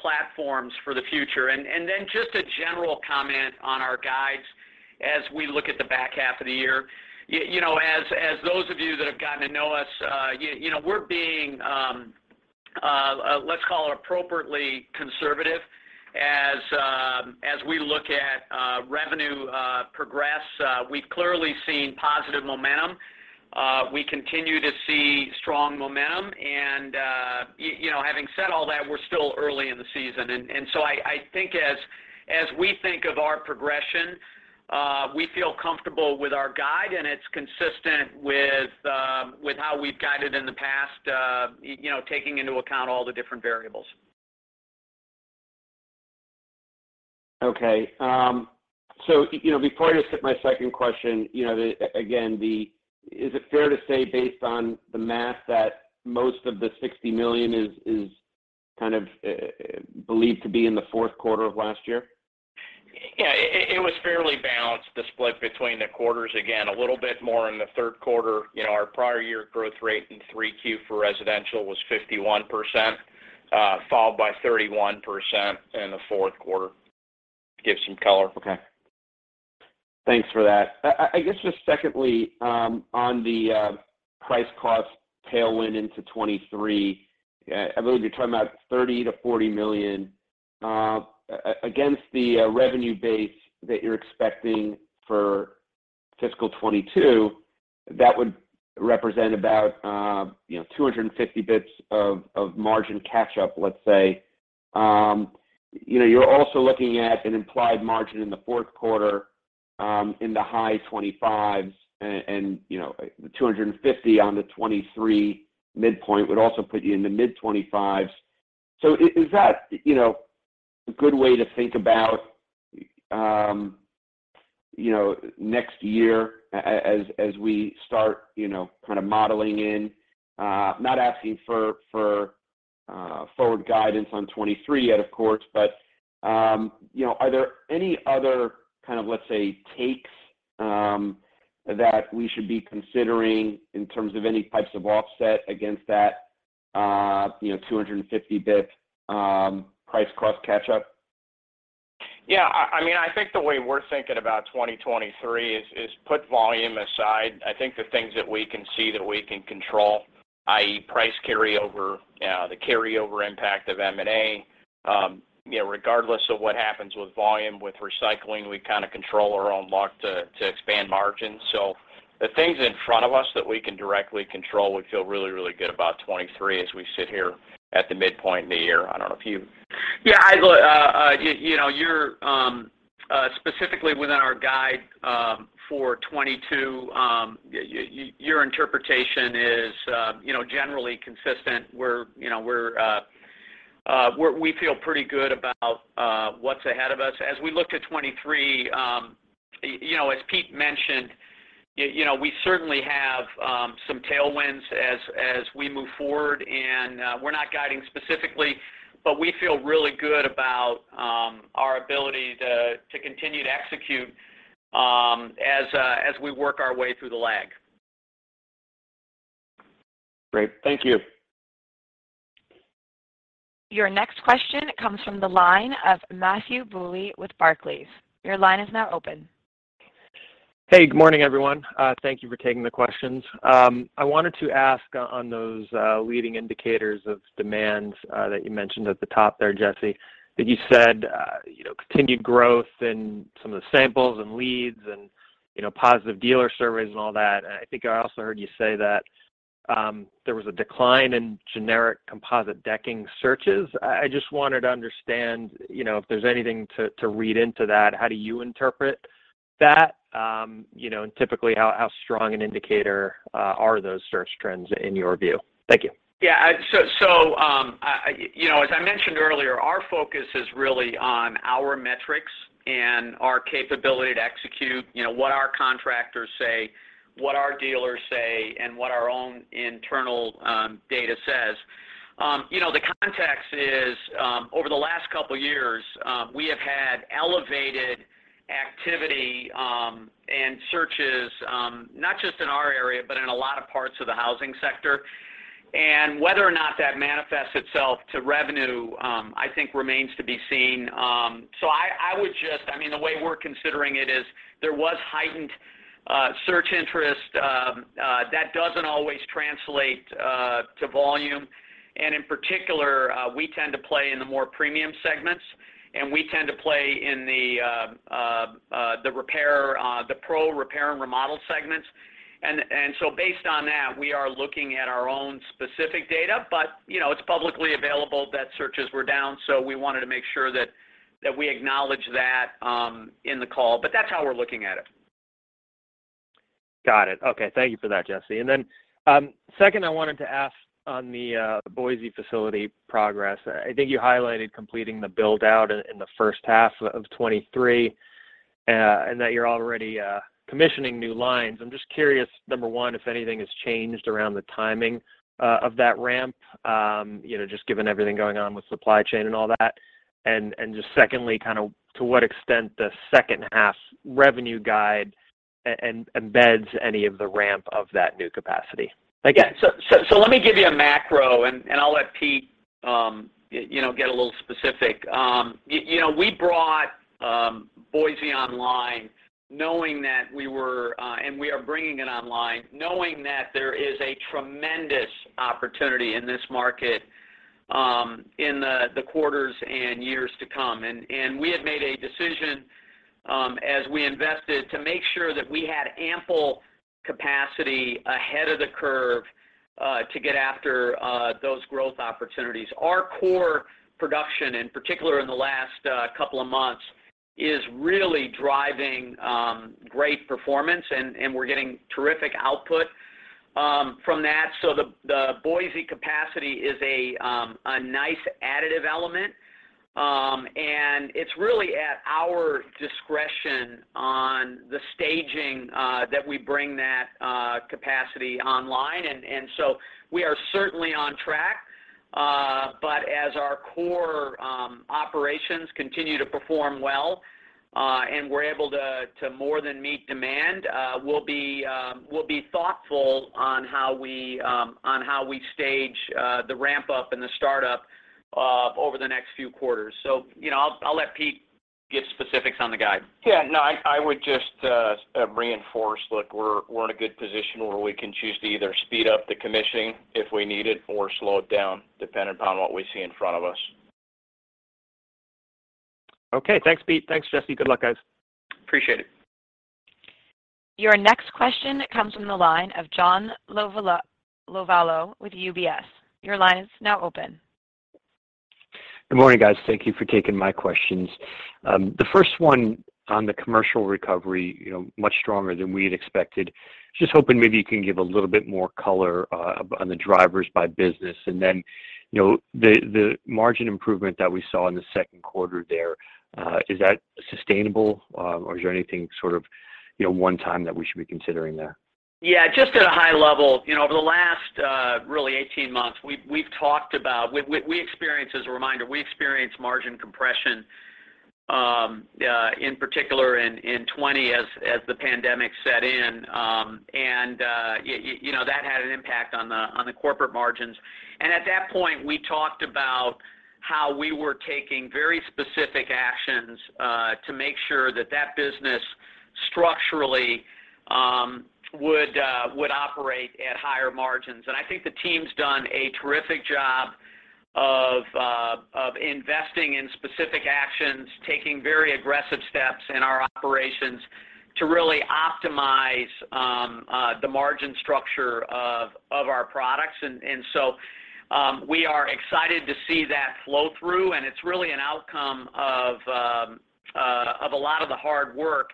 platforms for the future. Then just a general comment on our guides as we look at the back half of the year. You know, as those of you that have gotten to know us, you know, we're being, let's call it appropriately conservative as we look at revenue progress. We've clearly seen positive momentum. We continue to see strong momentum and, you know, having said all that, we're still early in the season. I think as we think of our progression, we feel comfortable with our guide, and it's consistent with how we've guided in the past, you know, taking into account all the different variables. Okay. You know, before I just hit my second question, you know. Is it fair to say, based on the math, that most of the $60 million is kind of believed to be in the fourth quarter of last year? Yeah. It was fairly balanced, the split between the quarters. Again, a little bit more in the third quarter. You know, our prior year growth rate in 3Q for residential was 51%, followed by 31% in the fourth quarter to give some color. Okay. Thanks for that. I guess just secondly, on the price cost tailwind into 2023, I believe you're talking about $30 million-$40 million against the revenue base that you're expecting for fiscal 2022, that would represent about, you know, 250 basis points of margin catch-up, let's say. You know, you're also looking at an implied margin in the fourth quarter, in the high-25s% and, you know, 250 on the 2023 midpoint would also put you in the mid-25s%. Is that, you know, a good way to think about, you know, next year as we start, you know, kind of modeling in? Not asking for forward guidance on 2023 yet, of course. Are there any other kind of, let's say, takes that we should be considering in terms of any types of offset against that 250 basis points price cost catch-up? Yeah. I mean, I think the way we're thinking about 2023 is put volume aside. I think the things that we can see that we can control, i.e. price carryover, the carryover impact of M&A, you know, regardless of what happens with volume, with recycling, we kind of control our own luck to expand margins. The things in front of us that we can directly control, we feel really, really good about 2023 as we sit here at the midpoint in the year. Yeah. You know, you're specifically within our guide for 2022, you know, generally consistent. We're, you know, we feel pretty good about what's ahead of us. As we look to 2023, you know, we certainly have some tailwinds as we move forward, and we're not guiding specifically, but we feel really good about our ability to continue to execute as we work our way through the lag. Great. Thank you. Your next question comes from the line of Matthew Bouley with Barclays. Your line is now open. Hey, good morning, everyone. Thank you for taking the questions. I wanted to ask on those leading indicators of demand that you mentioned at the top there, Jesse. That you said, you know, continued growth in some of the samples and leads and, you know, positive dealer surveys and all that. I think I also heard you say that there was a decline in generic composite decking searches. I just wanted to understand, you know, if there's anything to read into that. How do you interpret that, you know, and typically how strong an indicator are those search trends in your view? Thank you. You know, as I mentioned earlier, our focus is really on our metrics and our capability to execute, you know, what our contractors say, what our dealers say, and what our own internal data says. You know, the context is over the last couple years, we have had elevated activity and searches, not just in our area, but in a lot of parts of the housing sector. Whether or not that manifests itself to revenue, I think remains to be seen. I mean, the way we're considering it is there was heightened search interest. That doesn't always translate to volume. In particular, we tend to play in the more premium segments, and we tend to play in the pro repair and remodel segments. So based on that, we are looking at our own specific data, but you know, it's publicly available that searches were down, so we wanted to make sure that we acknowledge that in the call. But that's how we're looking at it. Got it. Okay. Thank you for that, Jesse. Second, I wanted to ask on the Boise facility progress. I think you highlighted completing the build-out in the first half of 2023, and that you're already commissioning new lines. I'm just curious, number one, if anything has changed around the timing of that ramp, you know, just given everything going on with supply chain and all that. Just secondly, kind of to what extent the second half's revenue guidance embeds any of the ramp of that new capacity. Thank you. Yeah. Let me give you a macro, and I'll let Pete, you know, get a little specific. You know, we brought Boise online, and we are bringing it online knowing that there is a tremendous opportunity in this market in the quarters and years to come. We had made a decision as we invested to make sure that we had ample capacity ahead of the curve to get after those growth opportunities. Our core production, and in particular in the last couple of months, is really driving great performance, and we're getting terrific output from that. The Boise capacity is a nice additive element. It's really at our discretion on the staging that we bring that capacity online. We are certainly on track. But as our core operations continue to perform well, and we're able to more than meet demand, we'll be thoughtful on how we stage the ramp-up and the startup over the next few quarters. I'll let Pete give specifics on the guide. Yeah. No, I would just reinforce, look, we're in a good position where we can choose to either speed up the commissioning if we need it or slow it down, dependent upon what we see in front of us. Okay. Thanks, Pete. Thanks, Jesse. Good luck, guys. Appreciate it. Your next question comes from the line of John Lovallo with UBS. Your line is now open. Good morning, guys. Thank you for taking my questions. The first one on the commercial recovery, you know, much stronger than we had expected. Just hoping maybe you can give a little bit more color on the drivers by business. Then, you know, the margin improvement that we saw in the second quarter there, is that sustainable? Or is there anything sort of, you know, one time that we should be considering there? Yeah, just at a high level, you know, over the last really 18 months, we've talked about. We experienced, as a reminder, we experienced margin compression in particular in 2020 as the pandemic set in. You know, that had an impact on the corporate margins. At that point, we talked about how we were taking very specific actions to make sure that that business structurally would operate at higher margins. I think the team's done a terrific job of investing in specific actions, taking very aggressive steps in our operations to really optimize the margin structure of our products. We are excited to see that flow through, and it's really an outcome of a lot of the hard work.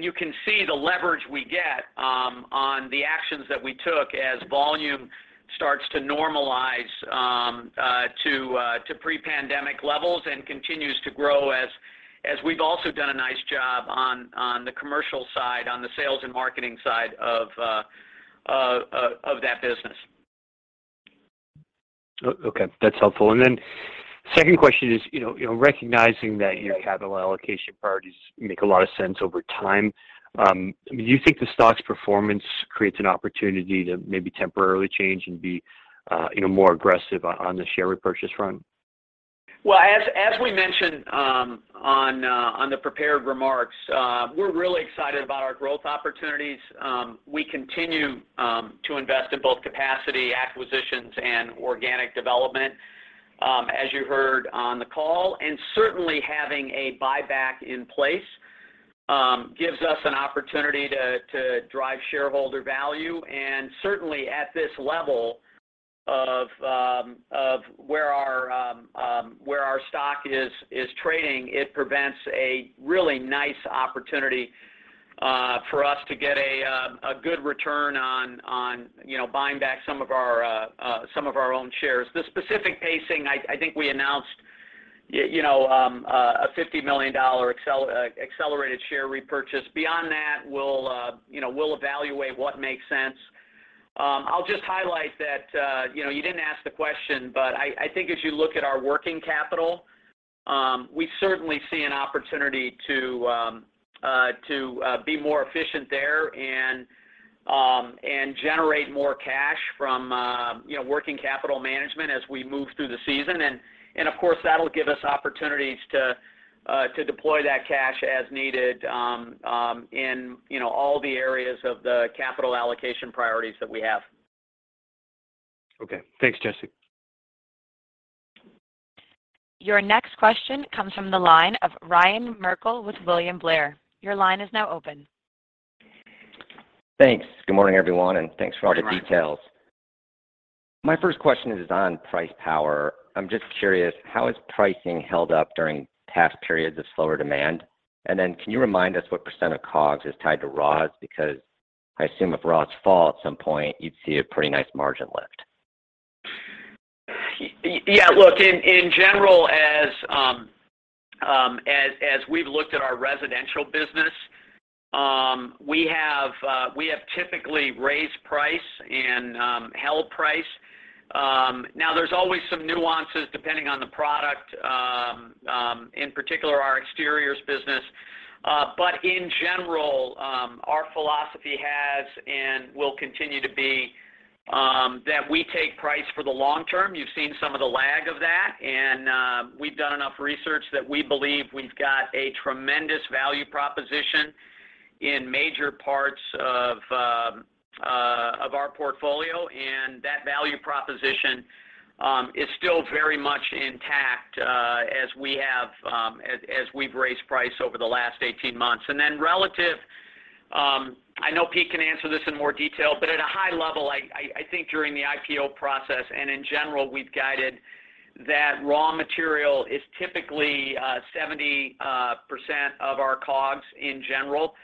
You can see the leverage we get on the actions that we took as volume starts to normalize to pre-pandemic levels and continues to grow as we've also done a nice job on the commercial side on the sales and marketing side of that business. Okay. That's helpful. Second question is, you know, recognizing that your capital allocation priorities make a lot of sense over time, do you think the stock's performance creates an opportunity to maybe temporarily change and be, you know, more aggressive on the share repurchase front? Well, as we mentioned, on the prepared remarks, we're really excited about our growth opportunities. We continue to invest in both capacity, acquisitions, and organic development, as you heard on the call. Certainly having a buyback in place gives us an opportunity to drive shareholder value. Certainly at this level of where our stock is trading, it presents a really nice opportunity for us to get a good return on, you know, buying back some of our own shares. The specific pacing, I think we announced you know, a $50 million accelerated share repurchase. Beyond that, we'll, you know, evaluate what makes sense. I'll just highlight that, you know, you didn't ask the question, but I think as you look at our working capital, we certainly see an opportunity to be more efficient there and generate more cash from, you know, working capital management as we move through the season. Of course, that'll give us opportunities to deploy that cash as needed, in, you know, all the areas of the capital allocation priorities that we have. Okay. Thanks, Jesse. Your next question comes from the line of Ryan Merkel with William Blair. Your line is now open. Thanks. Good morning, everyone, and thanks for all the details. Good morning. My first question is on price power. I'm just curious, how has pricing held up during past periods of slower demand? Can you remind us what % of COGS is tied to raws? Because I assume if raws fall at some point, you'd see a pretty nice margin lift. Yeah, look, in general, as we've looked at our residential business, we have typically raised price and held price. Now there's always some nuances depending on the product, in particular our exteriors business. In general, our philosophy has and will continue to be that we take price for the long term. You've seen some of the lag of that, and we've done enough research that we believe we've got a tremendous value proposition in major parts of our portfolio, and that value proposition is still very much intact, as we've raised price over the last 18 months. Relatively, I know Pete can answer this in more detail, but at a high level, I think during the IPO process and in general, we've guided that raw material is typically 70% of our COGS in general,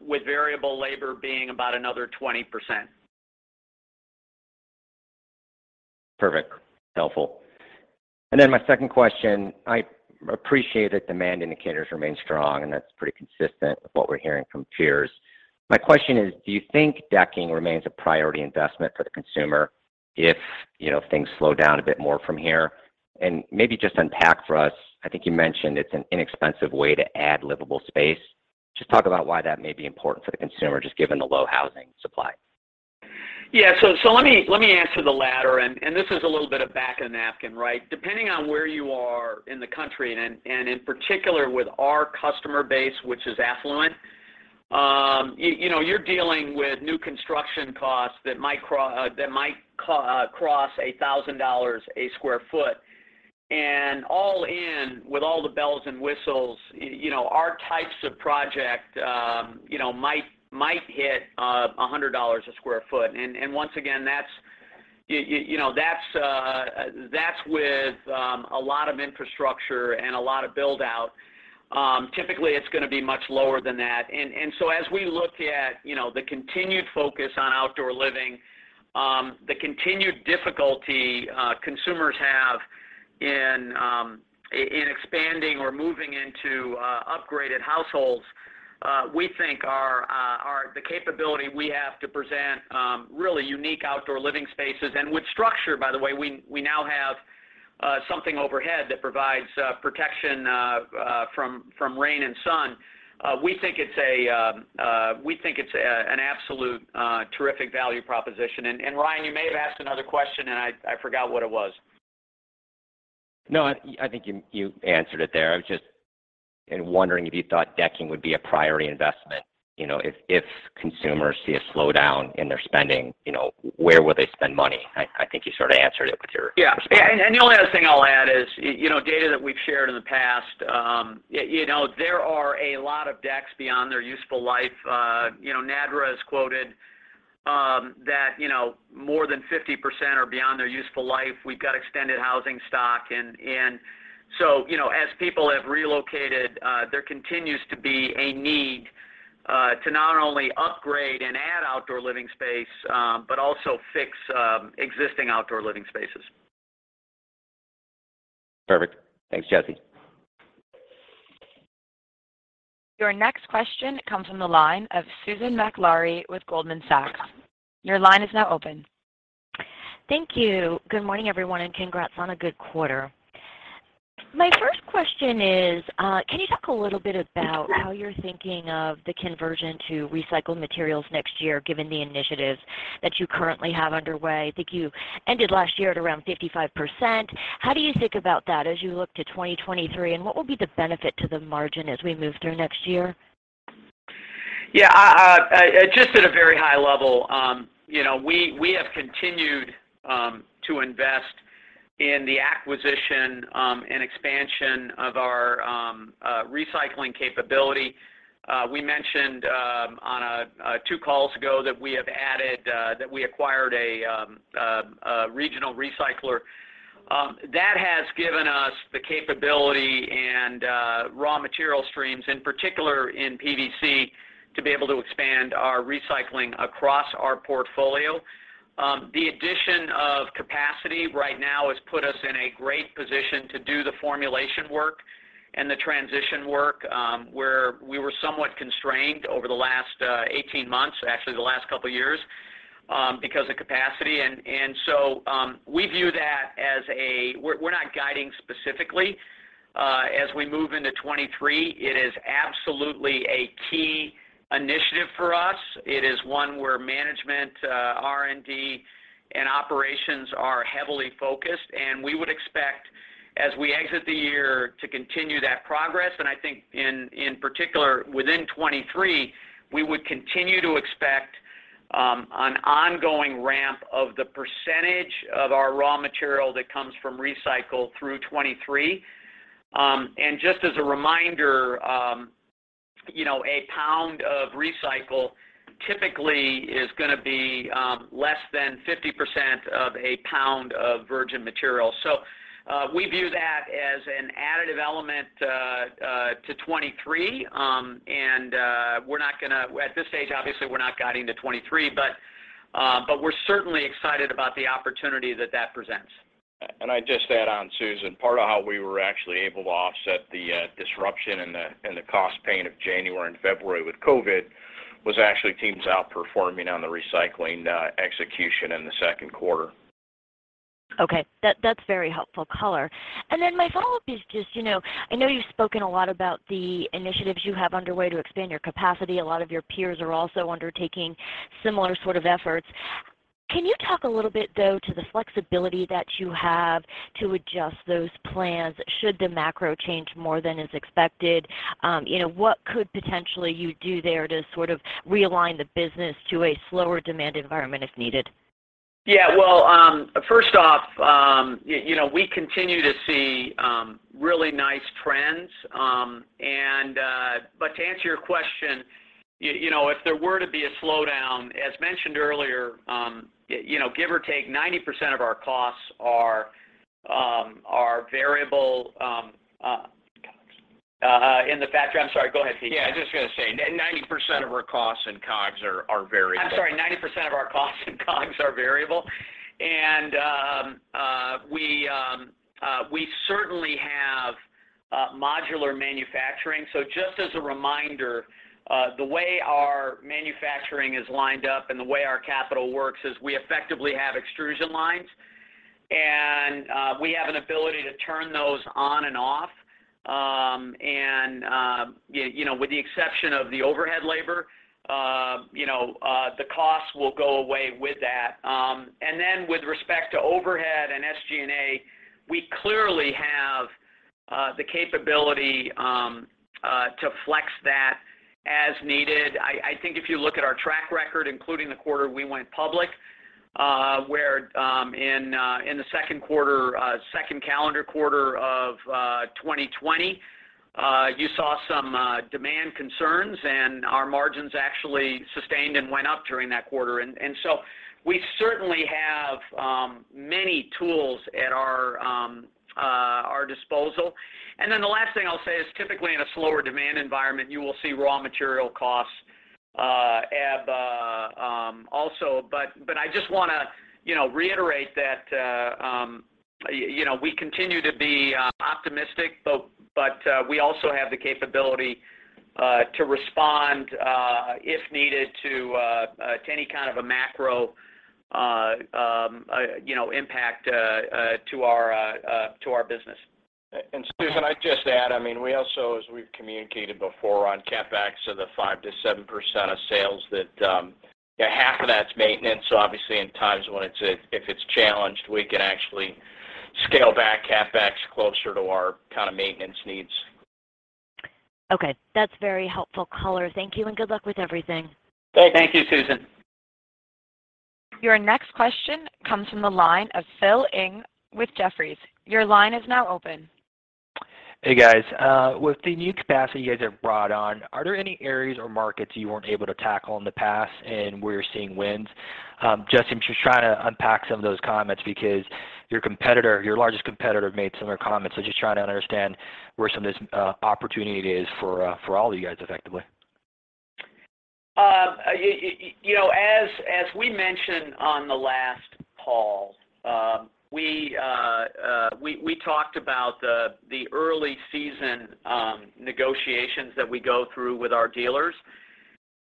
with variable labor being about another 20%. Perfect. Helpful. My second question, I appreciate that demand indicators remain strong, and that's pretty consistent with what we're hearing from peers. My question is, do you think decking remains a priority investment for the consumer if, you know, things slow down a bit more from here? Maybe just unpack for us, I think you mentioned it's an inexpensive way to add livable space. Just talk about why that may be important for the consumer, just given the low housing supply. Yeah. Let me answer the latter, and this is a little bit of back of napkin, right? Depending on where you are in the country and in particular with our customer base, which is affluent, you know, you're dealing with new construction costs that might cross $1,000 a sq ft. All in with all the bells and whistles, you know, our types of project, you know, might hit $100 a sq ft. Once again, that's you know, that's with a lot of infrastructure and a lot of build-out. Typically, it's gonna be much lower than that. As we look at, you know, the continued focus on outdoor living, the continued difficulty consumers have in expanding or moving into upgraded households, we think the capability we have to present really unique outdoor living spaces and with structure, by the way, we now have something overhead that provides protection from rain and sun. We think it's an absolute terrific value proposition. Ryan, you may have asked another question, and I forgot what it was. No, I think you answered it there. I was just wondering if you thought decking would be a priority investment. You know, if consumers see a slowdown in their spending, you know, where will they spend money? I think you sort of answered it with your response. Yeah. The only other thing I'll add is, you know, data that we've shared in the past, you know, there are a lot of decks beyond their useful life. NADRA has quoted that, you know, more than 50% are beyond their useful life. We've got extended housing stock and so, you know, as people have relocated, there continues to be a need to not only upgrade and add outdoor living space, but also fix existing outdoor living spaces. Perfect. Thanks, Jesse. Your next question comes from the line of Susan Maklari with Goldman Sachs. Your line is now open. Thank you. Good morning, everyone, and congrats on a good quarter. My first question is, can you talk a little bit about how you're thinking of the conversion to recycled materials next year, given the initiatives that you currently have underway? I think you ended last year at around 55%. How do you think about that as you look to 2023, and what will be the benefit to the margin as we move through next year? Yeah. Just at a very high level, you know, we have continued to invest in the acquisition and expansion of our recycling capability. We mentioned two calls ago that we acquired a regional recycler. That has given us the capability and raw material streams, in particular in PVC, to be able to expand our recycling across our portfolio. The addition of capacity right now has put us in a great position to do the formulation work and the transition work, where we were somewhat constrained over the last 18 months, actually the last couple years, because of capacity. We're not guiding specifically. As we move into 2023, it is absolutely a key initiative for us. It is one where management, R&D, and operations are heavily focused, and we would expect as we exit the year to continue that progress. I think in particular, within 2023, we would continue to expect an ongoing ramp of the percentage of our raw material that comes from recycled through 2023. Just as a reminder, you know, a lb of recycled typically is gonna be less than 50% of a lb of virgin material. We view that as an additive element to 2023. At this stage, obviously, we're not guiding to 2023, but we're certainly excited about the opportunity that that presents. I'd just add on, Susan, part of how we were actually able to offset the disruption and the cost pain of January and February with COVID was actually teams outperforming on the recycling execution in the second quarter. Okay. That's very helpful color. Then my follow-up is just, you know, I know you've spoken a lot about the initiatives you have underway to expand your capacity. A lot of your peers are also undertaking similar sort of efforts. Can you talk a little bit, though, to the flexibility that you have to adjust those plans should the macro change more than is expected? You know, what could potentially you do there to sort of realign the business to a slower demand environment if needed? Yeah. Well, first off, you know, we continue to see really nice trends. To answer your question, you know, if there were to be a slowdown, as mentioned earlier, you know, give or take 90% of our costs are variable. I'm sorry, go ahead, Pete. Yeah, I was just gonna say 90% of our costs and COGS are variable. I'm sorry, 90% of our costs and COGS are variable. We certainly have modular manufacturing. Just as a reminder, the way our manufacturing is lined up and the way our capital works is we effectively have extrusion lines. We have an ability to turn those on and off. You know, with the exception of the overhead labor, you know the costs will go away with that. Then with respect to overhead and SG&A, we clearly have the capability to flex that as needed. I think if you look at our track record, including the quarter we went public, where in the second calendar quarter of 2020, you saw some demand concerns and our margins actually sustained and went up during that quarter. We certainly have many tools at our disposal. The last thing I'll say is typically in a slower demand environment, you will see raw material costs abate also. I just wanna, you know, reiterate that, you know, we continue to be optimistic, but we also have the capability to respond, if needed to any kind of a macro, you know, impact to our business. Susan, I'd just add, I mean, we also, as we've communicated before on CapEx of the 5%-7% of sales that, half of that's maintenance. Obviously in times when it's if it's challenged, we can actually scale back CapEx closer to our kind of maintenance needs. Okay. That's very helpful color. Thank you, and good luck with everything. Great. Thank you, Susan. Your next question comes from the line of Phil Ng with Jefferies. Your line is now open. Hey, guys. With the new capacity you guys have brought on, are there any areas or markets you weren't able to tackle in the past and where you're seeing wins? Just, I'm just trying to unpack some of those comments because your competitor, your largest competitor made similar comments. Just trying to understand where some of this opportunity is for all of you guys effectively. You know, as we mentioned on the last call, we talked about the early season negotiations that we go through with our dealers.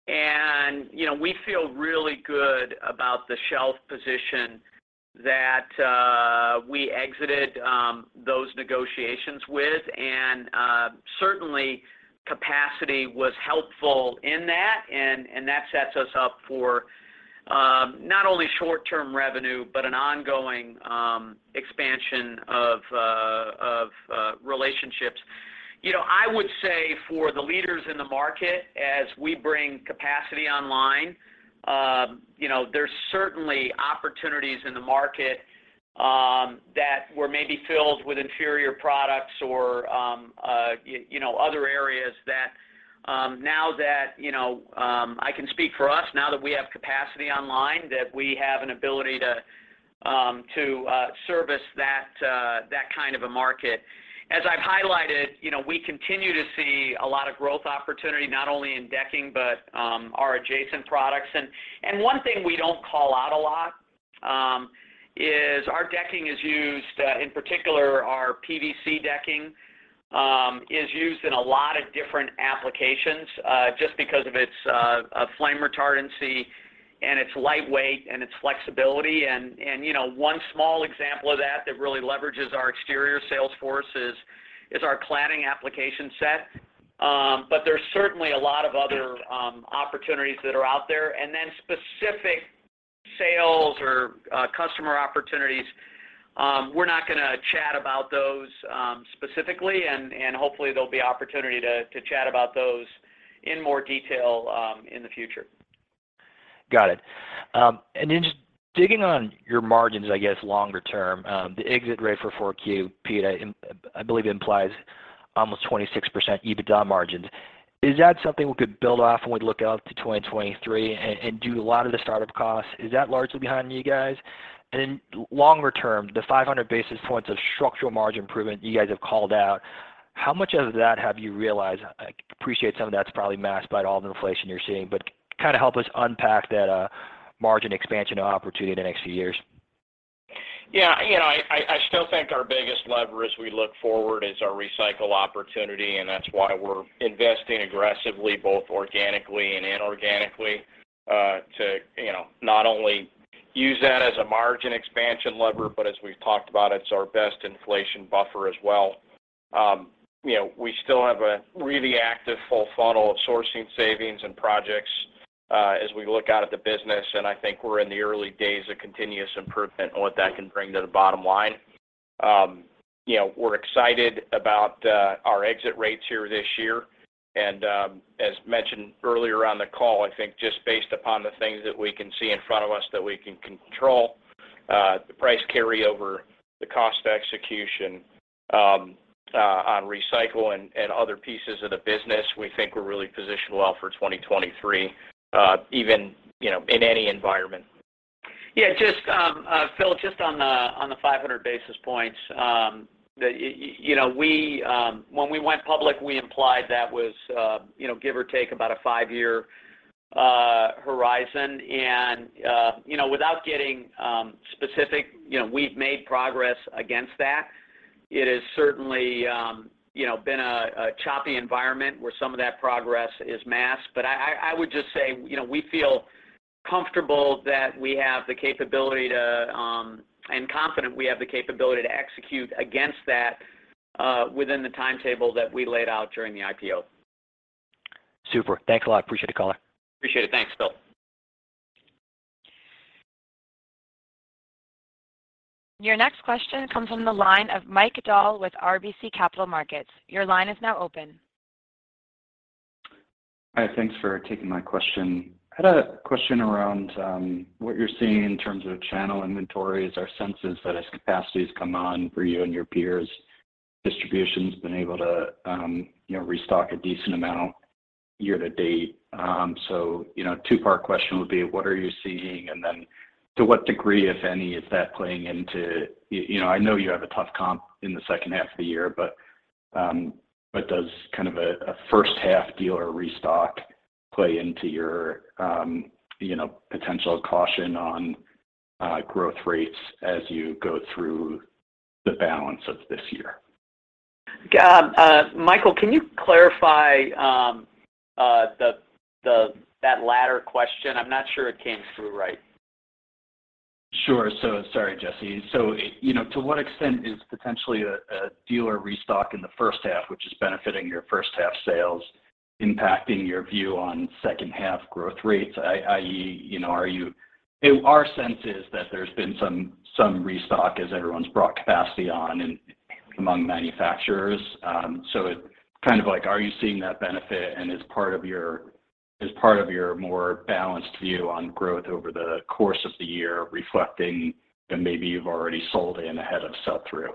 You know, we feel really good about the shelf position that we exited those negotiations with. Certainly capacity was helpful in that. That sets us up for not only short-term revenue, but an ongoing expansion of relationships. You know, I would say for the leaders in the market, as we bring capacity online. You know, there's certainly opportunities in the market that were maybe filled with inferior products or, you know, other areas that now that, you know, I can speak for us now that we have capacity online, that we have an ability to service that kind of a market. As I've highlighted, you know, we continue to see a lot of growth opportunity, not only in decking, but our adjacent products. One thing we don't call out a lot is our decking is used in particular our PVC decking is used in a lot of different applications just because of its flame retardancy and its lightweight and its flexibility. You know, one small example of that that really leverages our exterior sales force is our cladding application set. But there's certainly a lot of other opportunities that are out there. Then specific sales or customer opportunities, we're not gonna chat about those specifically and hopefully there'll be opportunity to chat about those in more detail in the future. Got it. Just digging on your margins, I guess, longer term, the exit rate for 4Q, Pete, I believe implies almost 26% EBITDA margins. Is that something we could build off when we look out to 2023 and do a lot of the startup costs? Is that largely behind you guys? Longer term, the 500 basis points of structural margin improvement you guys have called out, how much of that have you realized? I appreciate some of that's probably masked by all the inflation you're seeing, but kind of help us unpack that, margin expansion opportunity in the next few years. Yeah. You know, I still think our biggest lever as we look forward is our recycle opportunity, and that's why we're investing aggressively both organically and inorganically, to you know not only use that as a margin expansion lever, but as we've talked about, it's our best inflation buffer as well. You know, we still have a really active full funnel of sourcing savings and projects, as we look out at the business, and I think we're in the early days of continuous improvement on what that can bring to the bottom line. You know, we're excited about our exit rates here this year. As mentioned earlier on the call, I think just based upon the things that we can see in front of us that we can control, the price carryover, the cost of execution on Recycle and other pieces of the business, we think we're really positioned well for 2023, even, you know, in any environment. Yeah. Just, Phil, just on the 500 basis points, you know, we, when we went public, we implied that was, you know, give or take about a five-year horizon. You know, without getting specific, you know, we've made progress against that. It has certainly been a choppy environment where some of that progress is masked. I would just say, you know, we feel comfortable that we have the capability to and confident we have the capability to execute against that within the timetable that we laid out during the IPO. Super. Thanks a lot. Appreciate the color. Appreciate it. Thanks, Phil. Your next question comes from the line of Mike Dahl with RBC Capital Markets. Your line is now open. Hi. Thanks for taking my question. I had a question around what you're seeing in terms of channel inventories. Our sense is that as capacity has come on for you and your peers, distribution's been able to you know restock a decent amount year-to-date. You know, two-part question would be what are you seeing? And then to what degree, if any, is that playing into you know I know you have a tough comp in the second half of the year, but does kind of a first half dealer restock play into your you know potential caution on growth rates as you go through the balance of this year? Michael, can you clarify that latter question? I'm not sure it came through right. Sure. Sorry, Jesse. You know, to what extent is potentially a dealer restock in the first half, which is benefiting your first half sales, impacting your view on second half growth rates, i.e., you know, are you? Our sense is that there's been some restock as everyone's brought capacity on and among manufacturers. It kind of like are you seeing that benefit and is part of your more balanced view on growth over the course of the year reflecting that maybe you've already sold in ahead of sell-through?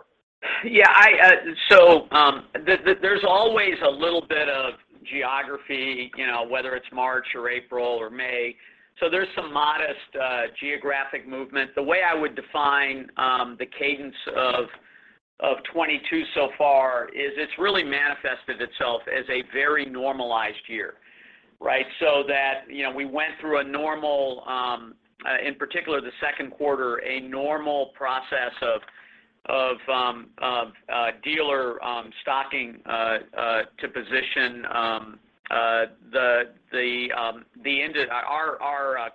Yeah. There's always a little bit of geography, you know, whether it's March or April or May. There's some modest geographic movement. The way I would define the cadence of 2022 so far is it's really manifested itself as a very normalized year, right? That, you know, we went through a normal, in particular the second quarter, a normal process of dealer stocking to position our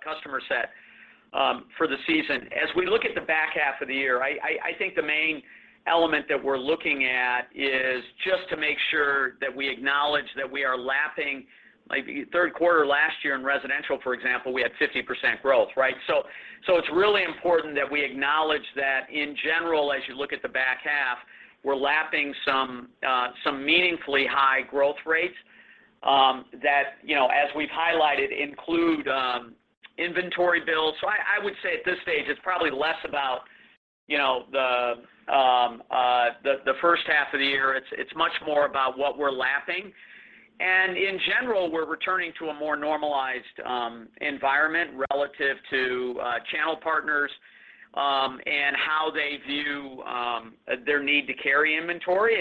customer set for the season. As we look at the back half of the year, I think the main element that we're looking at is just to make sure that we acknowledge that we are lapping like third quarter last year in residential, for example, we had 50% growth, right? It's really important that we acknowledge that in general, as you look at the back half, we're lapping some meaningfully high growth rates that, you know, as we've highlighted, include inventory builds. I would say at this stage, it's probably less about, you know, the first half of the year. It's much more about what we're lapping. In general, we're returning to a more normalized environment relative to channel partners and how they view their need to carry inventory.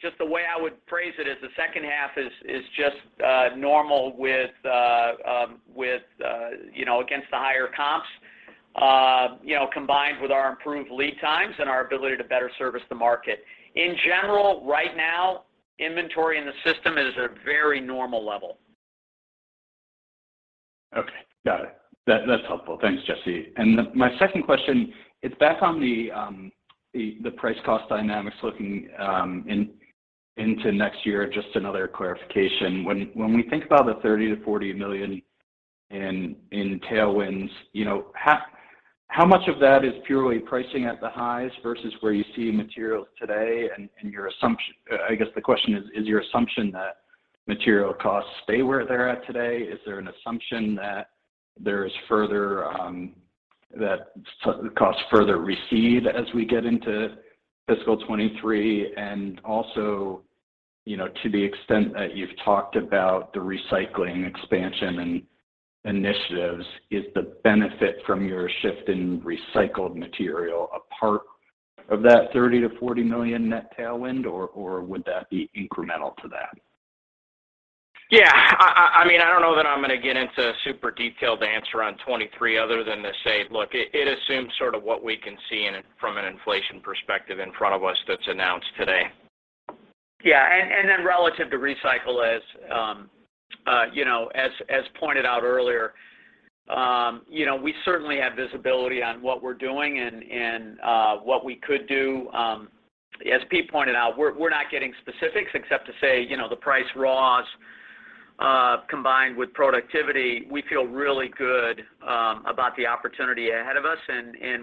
Just the way I would phrase it is the second half is just normal with you know against the higher comps you know combined with our improved lead times and our ability to better service the market. In general, right now, inventory in the system is at a very normal level. Okay. Got it. That's helpful. Thanks, Jesse. My second question, it's back on the price cost dynamics looking into next year, just another clarification. When we think about the $30 million-$40 million in tailwinds, you know, how much of that is purely pricing at the highs versus where you see materials today and your assumption. I guess the question is your assumption that material costs stay where they're at today? Is there an assumption that there's further costs further recede as we get into fiscal 2023? Also, you know, to the extent that you've talked about the recycling expansion and initiatives, is the benefit from your shift in recycled material a part of that $30 million-$40 million net tailwind or would that be incremental to that? Yeah. I mean, I don't know that I'm gonna get into a super detailed answer on 2023 other than to say, look, it assumes sort of what we can see from an inflation perspective in front of us that's announced today. Yeah. Then relative to recycle, you know, as pointed out earlier, you know, we certainly have visibility on what we're doing and what we could do. As Pete pointed out, we're not getting specifics except to say, you know, the price raws combined with productivity, we feel really good about the opportunity ahead of us.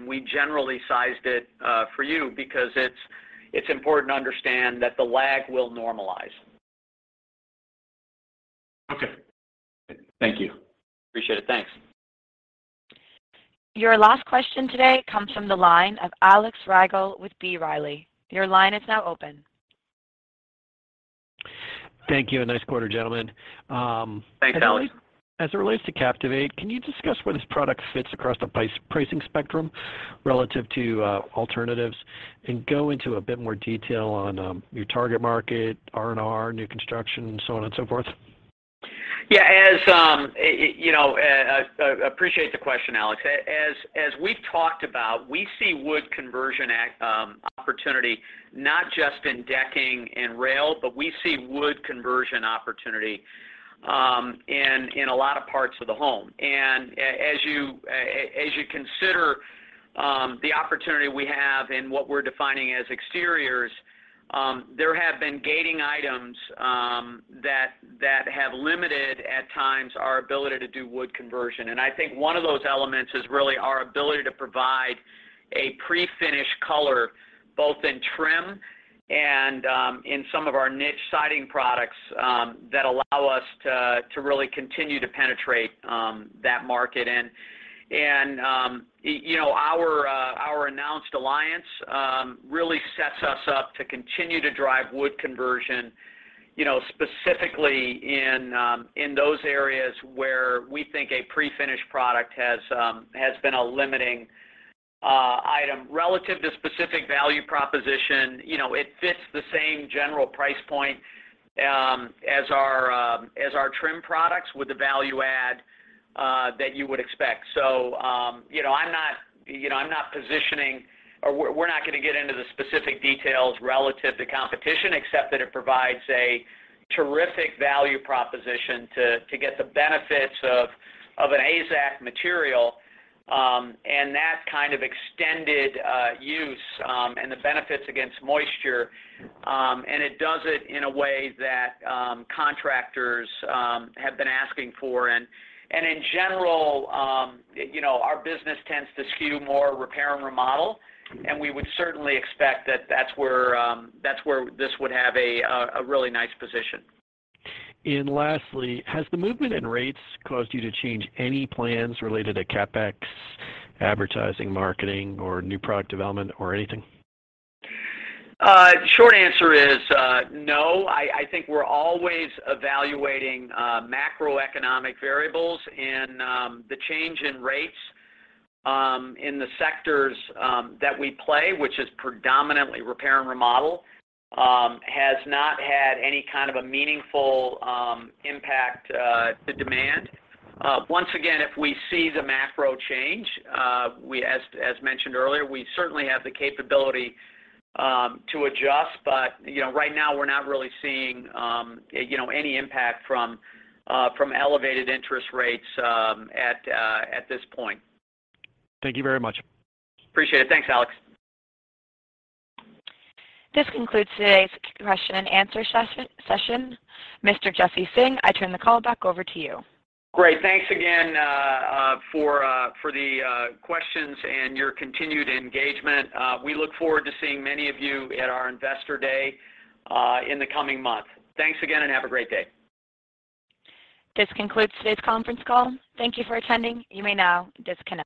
We generally sized it for you because it's important to understand that the lag will normalize. Okay. Thank you. Appreciate it. Thanks. Your last question today comes from the line of Alex Rygiel with B. Riley Financial. Your line is now open. Thank you, and nice quarter, gentlemen. Thanks, Alex. As it relates to Captivate, can you discuss where this product fits across the pricing spectrum relative to alternatives? Go into a bit more detail on your target market, R&R, new construction, and so on and so forth. Yeah. As you know, we appreciate the question, Alex. As we've talked about, we see wood conversion opportunity not just in decking and rail, but we see wood conversion opportunity in a lot of parts of the home. As you consider the opportunity we have in what we're defining as exteriors, there have been gating items that have limited at times our ability to do wood conversion. I think one of those elements is really our ability to provide a pre-finished color both in trim and in some of our niche siding products that allow us to really continue to penetrate that market. You know, our announced alliance really sets us up to continue to drive wood conversion, you know, specifically in those areas where we think a pre-finished product has been a limiting item. Relative to specific value proposition, you know, it fits the same general price point as our trim products with the value add that you would expect. You know, I'm not positioning or we're not gonna get into the specific details relative to competition, except that it provides a terrific value proposition to get the benefits of an AZEK material and that kind of extended use and the benefits against moisture. It does it in a way that contractors have been asking for. In general, you know, our business tends to skew more repair and remodel, and we would certainly expect that that's where this would have a really nice position. Lastly, has the movement in rates caused you to change any plans related to CapEx, advertising, marketing, or new product development or anything? Short answer is no. I think we're always evaluating macroeconomic variables, and the change in rates in the sectors that we play, which is predominantly repair and remodel, has not had any kind of a meaningful impact to demand. Once again, if we see the macro change, we, as mentioned earlier, we certainly have the capability to adjust. You know, right now we're not really seeing you know, any impact from elevated interest rates at this point. Thank you very much. Appreciate it. Thanks, Alex. This concludes today's question-and-answer session. Mr. Jesse Singh, I turn the call back over to you. Great. Thanks again, for the questions and your continued engagement. We look forward to seeing many of you at our Investor Day, in the coming month. Thanks again, and have a great day. This concludes today's conference call. Thank you for attending. You may now disconnect.